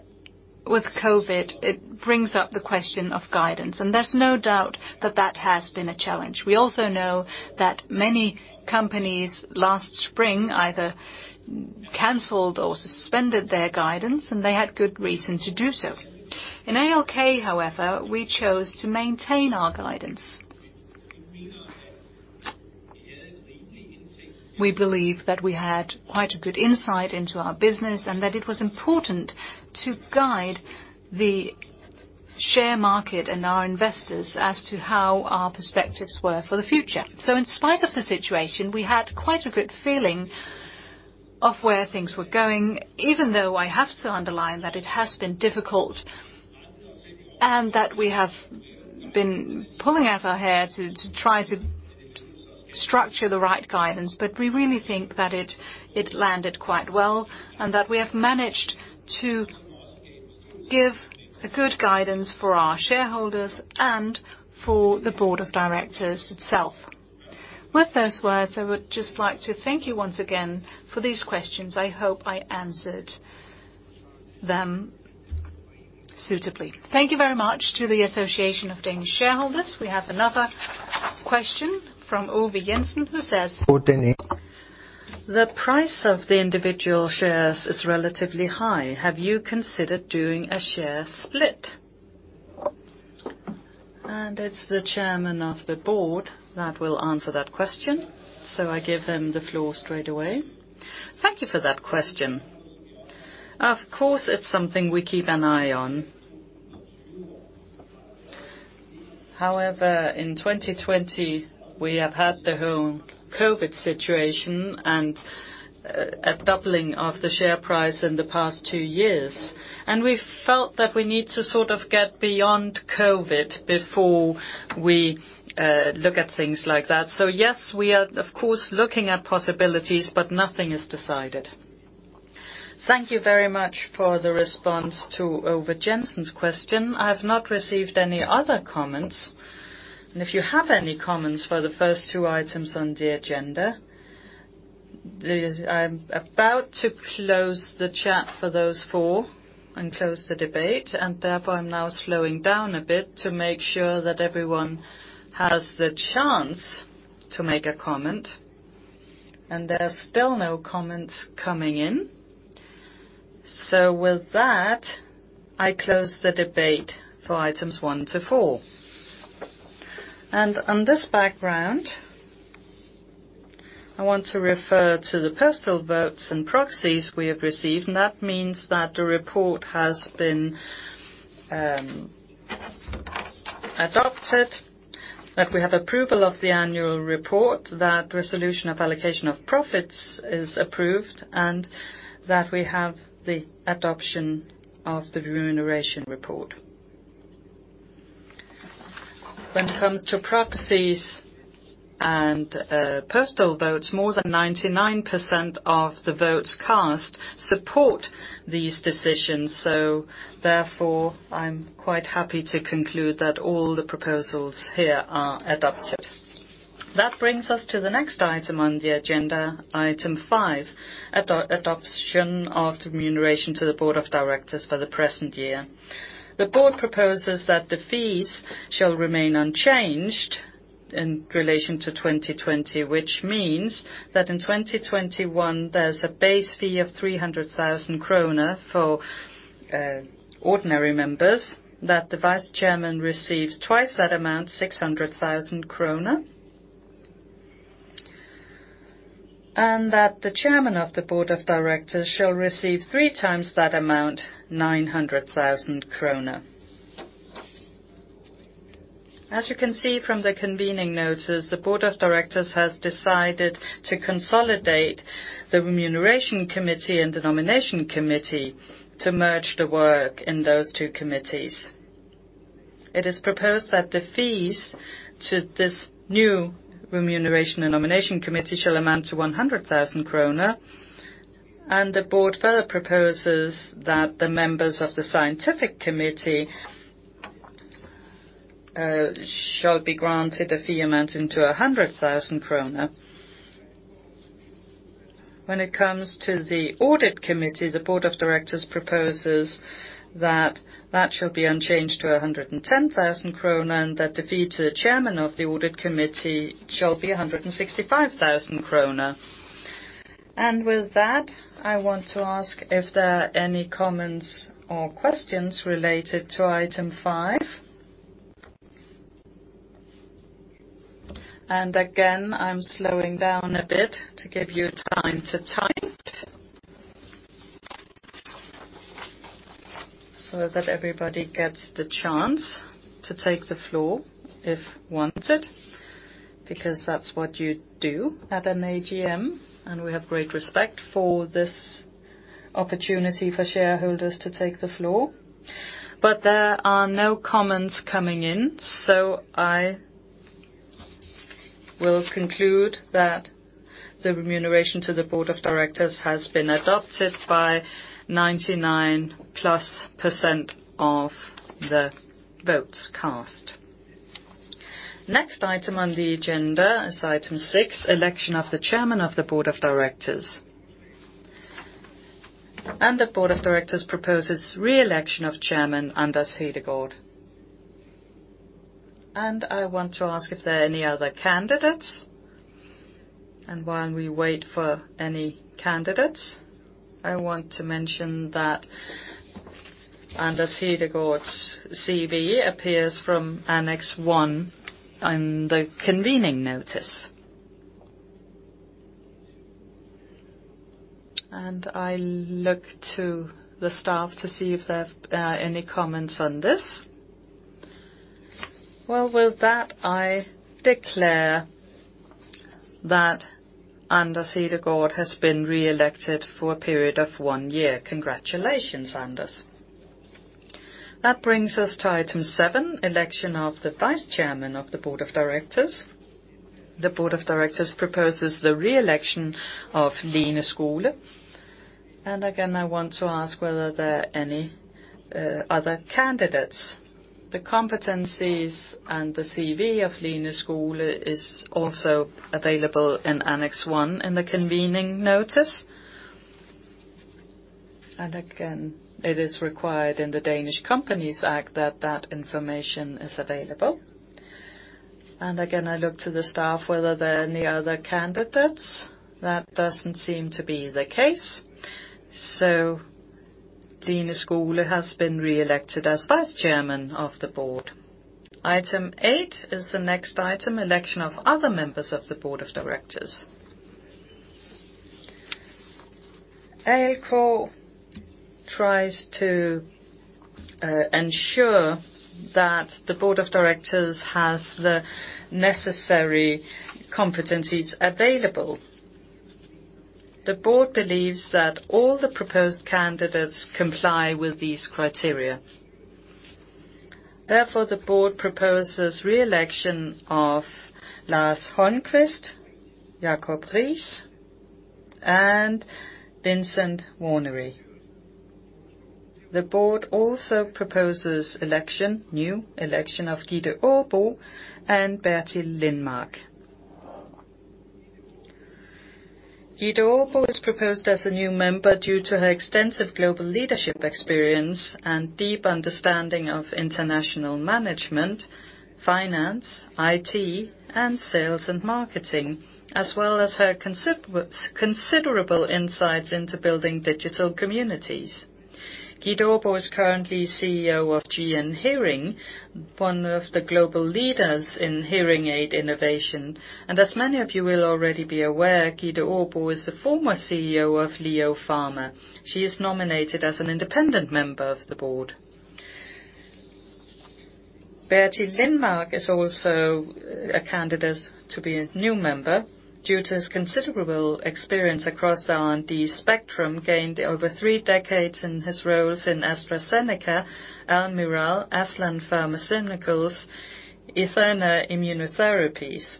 with COVID, it brings up the question of guidance, and there's no doubt that that has been a challenge. We also know that many companies last spring either canceled or suspended their guidance, and they had good reason to do so. In ALK, however, we chose to maintain our guidance. We believe that we had quite a good insight into our business and that it was important to guide the share market and our investors as to how our perspectives were for the future. So, in spite of the situation, we had quite a good feeling of where things were going, even though I have to underline that it has been difficult and that we have been pulling out our hair to try to structure the right guidance. But we really think that it landed quite well and that we have managed to give a good guidance for our shareholders and for the board of directors itself. With those words, I would just like to thank you once again for these questions. I hope I answered them suitably. Thank you very much to the Association of Danish Shareholders. We have another question from Uffe Jensen, who says. "The price of the individual shares is relatively high. Have you considered doing a share split?" And it's the Chairman of the Board that will answer that question, so I give him the floor straight away. Thank you for that question. Of course, it's something we keep an eye on. However, in 2020, we have had the whole COVID situation and a doubling of the share price in the past two years, and we felt that we need to sort of get beyond COVID before we look at things like that. So, yes, we are, of course, looking at possibilities, but nothing is decided. Thank you very much for the response to Uffe Jensen's question. I have not received any other comments. And if you have any comments for the first two items on the agenda, I'm about to close the chat for those four and close the debate. And therefore, I'm now slowing down a bit to make sure that everyone has the chance to make a comment. And there are still no comments coming in. So, with that, I close the debate for items one to four. And on this background, I want to refer to the postal votes and proxies we have received, and that means that the report has been adopted, that we have approval of the annual report, that resolution of allocation of profits is approved, and that we have the adoption of the remuneration report. When it comes to proxies and postal votes, more than 99% of the votes cast support these decisions. So, therefore, I'm quite happy to conclude that all the proposals here are adopted. That brings us to the next item on the agenda, item five, adoption of remuneration to the Board of Directors for the present year. The Board proposes that the fees shall remain unchanged in relation to 2020, which means that in 2021, there's a base fee of 300,000 kroner for ordinary members, that the Vice Chairman receives twice that amount, 600,000 kroner, and that the Chairman of the Board of Directors shall receive three times that amount, 900,000 kroner. As you can see from the convening notice, the Board of Directors has decided to consolidate the Remuneration Committee and the Nomination Committee to merge the work in those two committees. It is proposed that the fees to this new Remuneration and Nomination Committee shall amount to 100,000 kroner, and the board further proposes that the members of the Scientific Committee shall be granted a fee amounting to 100,000 kroner. When it comes to the Audit Committee, the board of directors proposes that that shall be unchanged to 110,000 krone and that the fee to the chairman of the Audit Committee shall be 165,000 krone. With that, I want to ask if there are any comments or questions related to item five. Again, I'm slowing down a bit to give you time to type so that everybody gets the chance to take the floor if wanted, because that's what you do at an AGM, and we have great respect for this opportunity for shareholders to take the floor. There are no comments coming in, so I will conclude that the remuneration to the Board of Directors has been adopted by 99+% of the votes cast. Next item on the agenda is item six, election of the Chairman of the Board of Directors. The Board of Directors proposes re-election of Chairman Anders Hedegaard. I want to ask if there are any other candidates. While we wait for any candidates, I want to mention that Anders Hedegaard's CV appears from annex one on the convening notice. I look to the staff to see if there are any comments on this. Well, with that, I declare that Anders Hedegaard has been re-elected for a period of one year. Congratulations, Anders. That brings us to item seven, election of the Vice Chairman of the Board of Directors. The Board of Directors proposes the re-election of Line Skole. And again, I want to ask whether there are any other candidates. The competencies and the CV of Line Skole is also available in annex one in the convening notice. And again, it is required in the Danish Companies Act that that information is available. And again, I look to the staff whether there are any other candidates. That doesn't seem to be the case. So, Line Skole has been re-elected as Vice Chairman of the Board. Item eight is the next item, election of other members of the Board of Directors. ALK tries to ensure that the Board of Directors has the necessary competencies available. The Board believes that all the proposed candidates comply with these criteria. Therefore, the Board proposes re-election of Lars Holmqvist, Jakob Riis, and Vincent Warnery. The board also proposes new election of Gitte Aabo and Bertil Lindmark. Gitte Aabo is proposed as a new member due to her extensive global leadership experience and deep understanding of international management, finance, IT, and sales and marketing, as well as her considerable insights into building digital communities. Gitte Aabo is currently CEO of GN Hearing, one of the global leaders in hearing aid innovation. And as many of you will already be aware, Gitte Aabo is the former CEO of LEO Pharma. She is nominated as an independent member of the board. Bertil Lindmark is also a candidate to be a new member due to his considerable experience across R&D spectrum gained over three decades in his roles in AstraZeneca, Almirall, Aslan Pharmaceuticals, and eTheRNA Immunotherapies.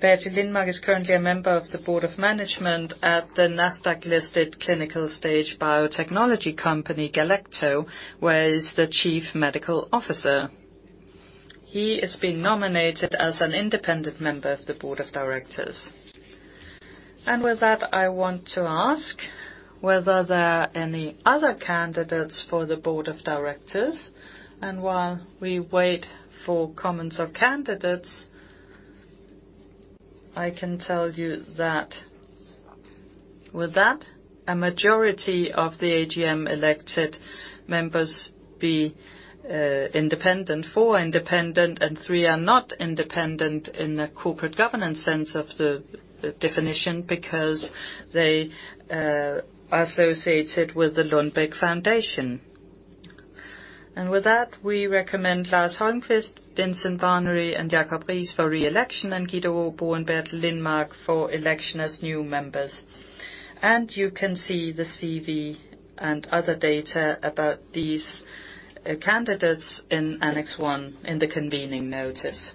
Bertil Lindmark is currently a member of the Board of Management at the Nasdaq-listed clinical-stage biotechnology company, Galecto, where he is the Chief Medical Officer. He is being nominated as an independent member of the Board of Directors. With that, I want to ask whether there are any other candidates for the Board of Directors. While we wait for comments or candidates, I can tell you that with that, a majority of the AGM-elected members be independent, four independent, and three are not independent in the corporate governance sense of the definition because they are associated with the Lundbeck Foundation. With that, we recommend Lars Holmqvist, Vincent Warnery, and Jakob Riis for re-election, and Gitte Aabo and Bertil Lindmark for election as new members. You can see the CV and other data about these candidates in annex one in the convening notice.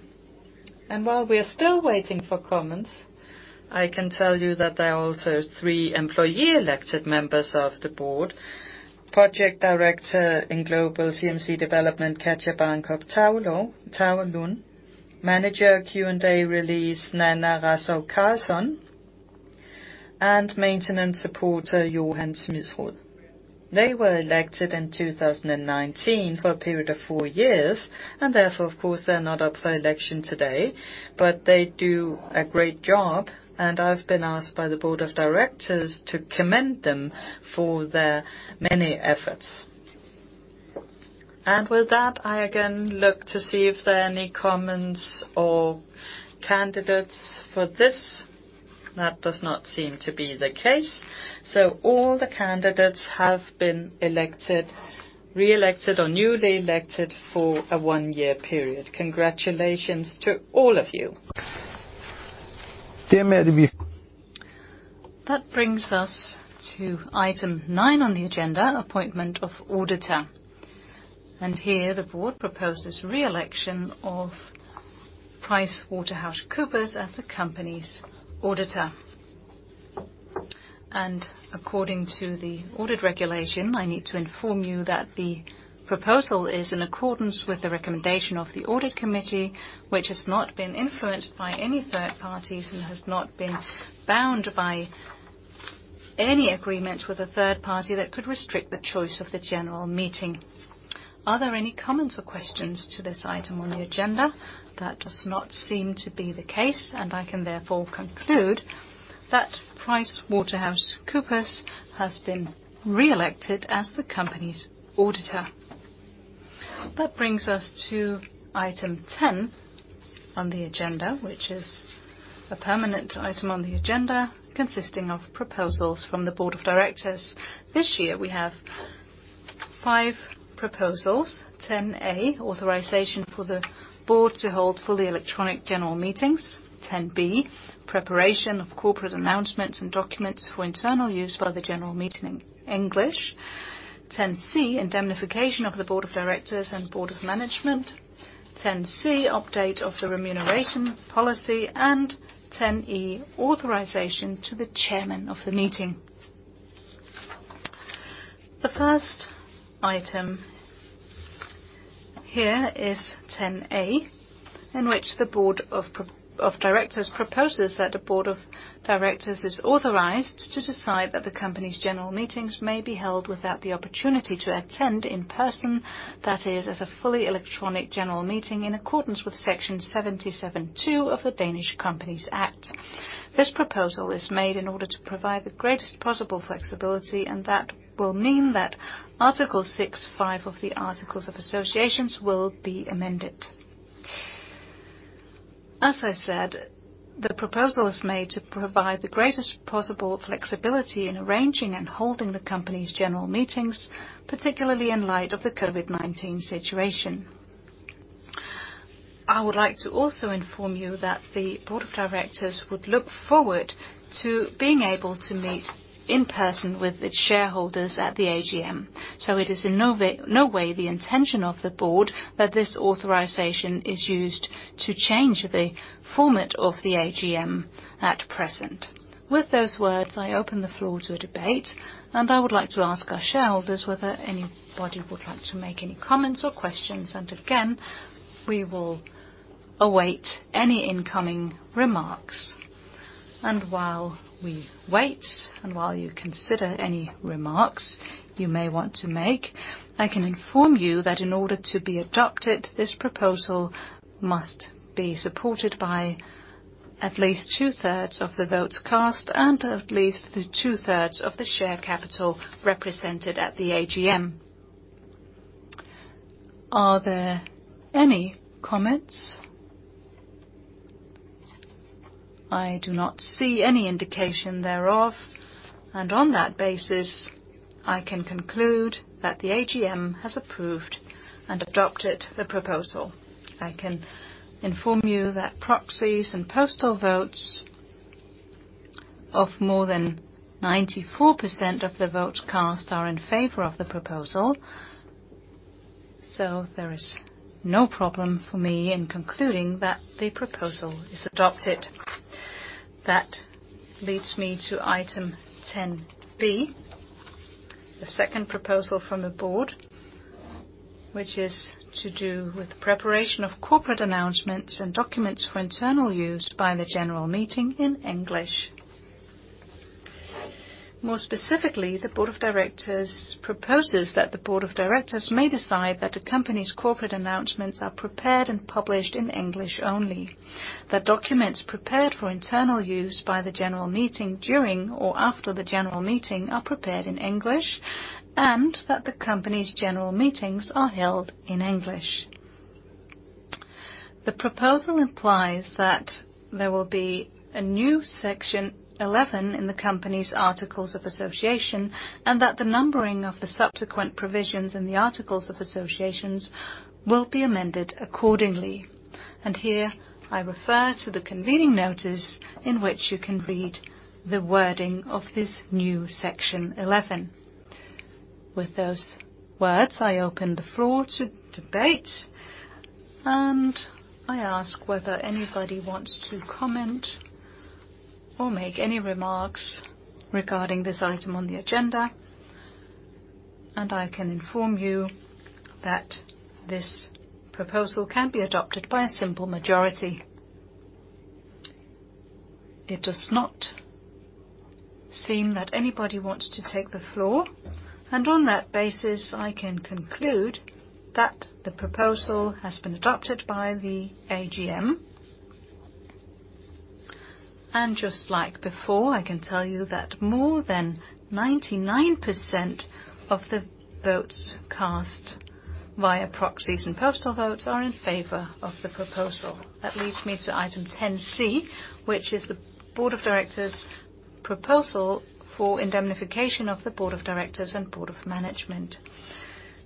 While we are still waiting for comments, I can tell you that there are also three employee-elected members of the Board of Directors: Project Director in Global CMC Development, Katja Barnkob, Manager Q&A Release, Nanna Rosager, and Maintenance Supporter, Johan Smedsholm. They were elected in 2019 for a period of four years, and therefore, of course, they're not up for election today, but they do a great job, and I've been asked by the Board of Directors to commend them for their many efforts. With that, I again look to see if there are any comments or candidates for this. That does not seem to be the case. All the candidates have been re-elected or newly elected for a one-year period. Congratulations to all of you. That brings us to item nine on the agenda, appointment of auditor. Here, the board proposes re-election of PricewaterhouseCoopers as the company's auditor. According to the audit regulation, I need to inform you that the proposal is in accordance with the recommendation of the Audit Committee, which has not been influenced by any third parties and has not been bound by any agreement with a third party that could restrict the choice of the general meeting. Are there any comments or questions to this item on the agenda? That does not seem to be the case, and I can therefore conclude that PricewaterhouseCoopers has been re-elected as the company's auditor. That brings us to item 10 on the agenda, which is a permanent item on the agenda consisting of proposals from the board of directors. This year, we have five proposals: 10A, authorization for the Board to hold fully electronic general meetings, 10B, preparation of corporate announcements and documents for internal use by the general meeting in English, 10C, indemnification of the Board of Directors and Board of Management, 10C, update of the remuneration policy, and 10E, authorization to the chairman of the meeting. The first item here is 10A, in which the Board of Directors proposes that the Board of Directors is authorized to decide that the company's general meetings may be held without the opportunity to attend in person, that is, as a fully electronic general meeting in accordance with section 77(2) of the Danish Companies Act. This proposal is made in order to provide the greatest possible flexibility, and that will mean that article 6(5) of the Articles of Association will be amended. As I said, the proposal is made to provide the greatest possible flexibility in arranging and holding the company's general meetings, particularly in light of the COVID-19 situation. I would like to also inform you that the Board of Directors would look forward to being able to meet in person with its shareholders at the AGM, so it is in no way the intention of the Board that this authorization is used to change the format of the AGM at present. With those words, I open the floor to a debate, and I would like to ask our shareholders whether anybody would like to make any comments or questions, and again, we will await any incoming remarks. While we wait, and while you consider any remarks you may want to make, I can inform you that in order to be adopted, this proposal must be supported by at least two-thirds of the votes cast and at least two-thirds of the share capital represented at the AGM. Are there any comments? I do not see any indication thereof, and on that basis, I can conclude that the AGM has approved and adopted the proposal. I can inform you that proxies and postal votes of more than 94% of the votes cast are in favor of the proposal, so there is no problem for me in concluding that the proposal is adopted. That leads me to item 10B, the second proposal from the board, which is to do with preparation of corporate announcements and documents for internal use by the general meeting in English. More specifically, the Board of Directors proposes that the Board of Directors may decide that the company's corporate announcements are prepared and published in English only, that documents prepared for internal use by the general meeting during or after the general meeting are prepared in English, and that the company's general meetings are held in English. The proposal implies that there will be a new section 11 in the company's Articles of Association and that the numbering of the subsequent provisions in the Articles of Association will be amended accordingly, and here, I refer to the convening notice in which you can read the wording of this new section 11. With those words, I open the floor to debate, and I ask whether anybody wants to comment or make any remarks regarding this item on the agenda. I can inform you that this proposal can be adopted by a simple majority. It does not seem that anybody wants to take the floor, and on that basis, I can conclude that the proposal has been adopted by the AGM. Just like before, I can tell you that more than 99% of the votes cast via proxies and postal votes are in favor of the proposal. That leads me to item 10C, which is the Board of Directors' proposal for indemnification of the Board of Directors and Board of Management.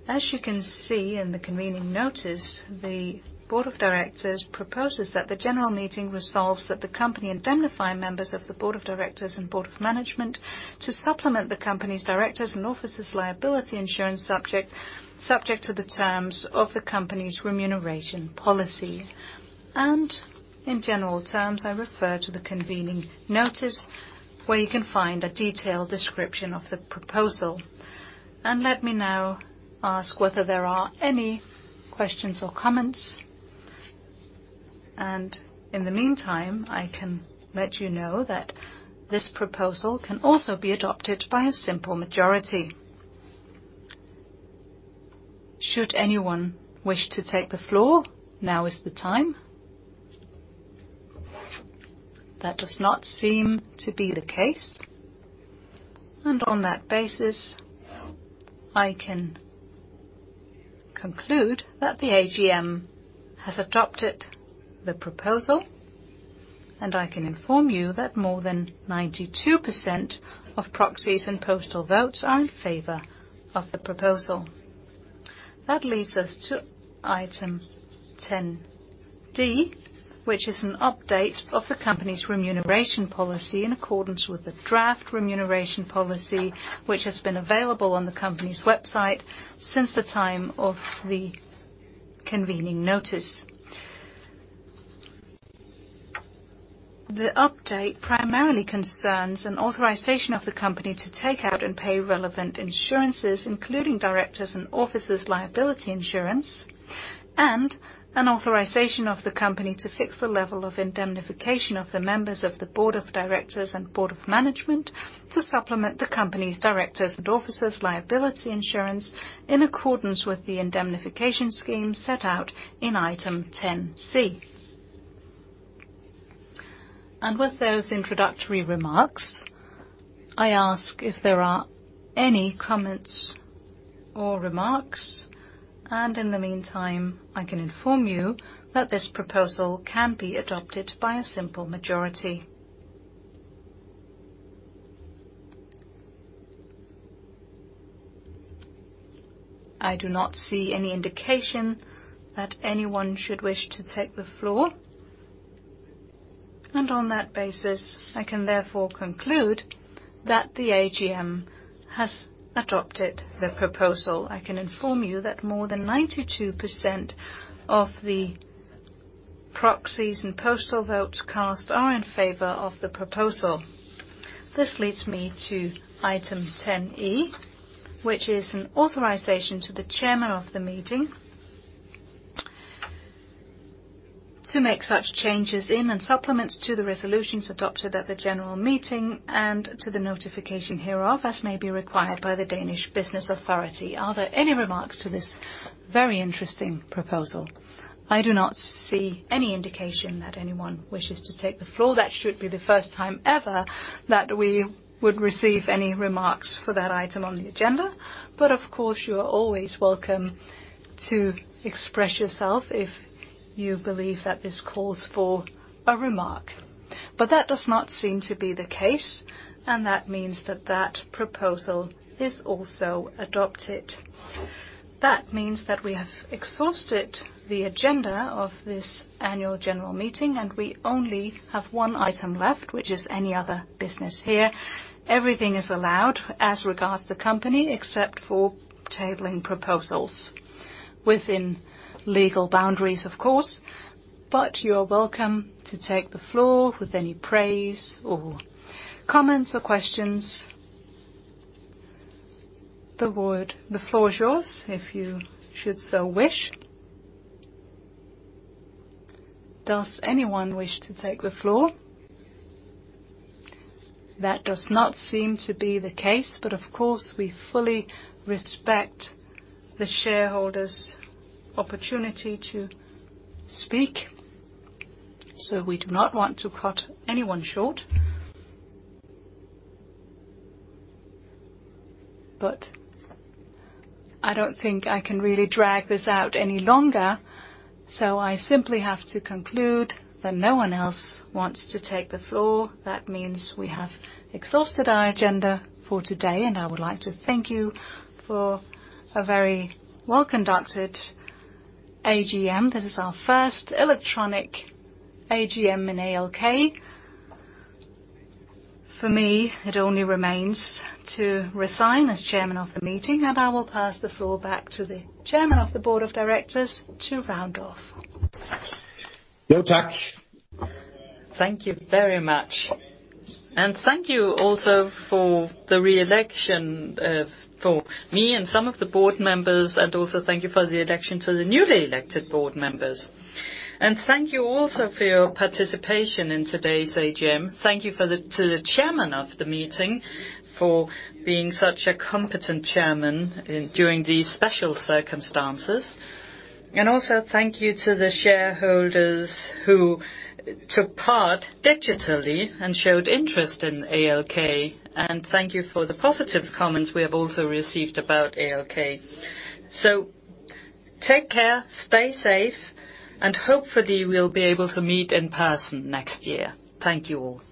As you can see in the convening notice, the Board of Directors proposes that the general meeting resolves that the company indemnify members of the Board of Directors and Board of Management to supplement the company's directors and officers' liability insurance subject to the terms of the company's remuneration policy. In general terms, I refer to the convening notice where you can find a detailed description of the proposal. Let me now ask whether there are any questions or comments. In the meantime, I can let you know that this proposal can also be adopted by a simple majority. Should anyone wish to take the floor, now is the time. That does not seem to be the case. On that basis, I can conclude that the AGM has adopted the proposal, and I can inform you that more than 92% of proxies and postal votes are in favor of the proposal. That leads us to item 10D, which is an update of the company's remuneration policy in accordance with the draft remuneration policy which has been available on the company's website since the time of the convening notice. The update primarily concerns an authorization of the company to take out and pay relevant insurances, including directors and officers' liability insurance, and an authorization of the company to fix the level of indemnification of the members of the board of directors and board of management to supplement the company's directors and officers' liability insurance in accordance with the indemnification scheme set out in item 10C. And with those introductory remarks, I ask if there are any comments or remarks. And in the meantime, I can inform you that this proposal can be adopted by a simple majority. I do not see any indication that anyone should wish to take the floor. And on that basis, I can therefore conclude that the AGM has adopted the proposal. I can inform you that more than 92% of the proxies and postal votes cast are in favor of the proposal. This leads me to item 10E, which is an authorization to the chairman of the meeting to make such changes in and supplements to the resolutions adopted at the general meeting and to the notification hereof as may be required by the Danish Business Authority. Are there any remarks to this very interesting proposal? I do not see any indication that anyone wishes to take the floor. That should be the first time ever that we would receive any remarks for that item on the agenda. But of course, you are always welcome to express yourself if you believe that this calls for a remark. But that does not seem to be the case, and that means that that proposal is also adopted. That means that we have exhausted the agenda of this annual general meeting, and we only have one item left, which is any other business here. Everything is allowed as regards the company except for tabling proposals within legal boundaries, of course. But you are welcome to take the floor with any praise or comments or questions. The floor is yours if you should so wish. Does anyone wish to take the floor? That does not seem to be the case, but of course, we fully respect the shareholders' opportunity to speak, so we do not want to cut anyone short. But I don't think I can really drag this out any longer, so I simply have to conclude that no one else wants to take the floor. That means we have exhausted our agenda for today, and I would like to thank you for a very well-conducted AGM. This is our first electronic AGM in ALK. For me, it only remains to resign as Chairman of the Meeting, and I will pass the floor back to the Chairman of the Board of Directors to round off. Jo tak. Thank you very much. And thank you also for the re-election for me and some of the Board members, and also thank you for the election to the newly elected Board members. And thank you also for your participation in today's AGM. Thank you to the Chairman of the Meeting for being such a competent Chairman during these special circumstances. And also thank you to the shareholders who took part digitally and showed interest in ALK, and thank you for the positive comments we have also received about ALK. So take care, stay safe, and hopefully we'll be able to meet in person next year. Thank you all.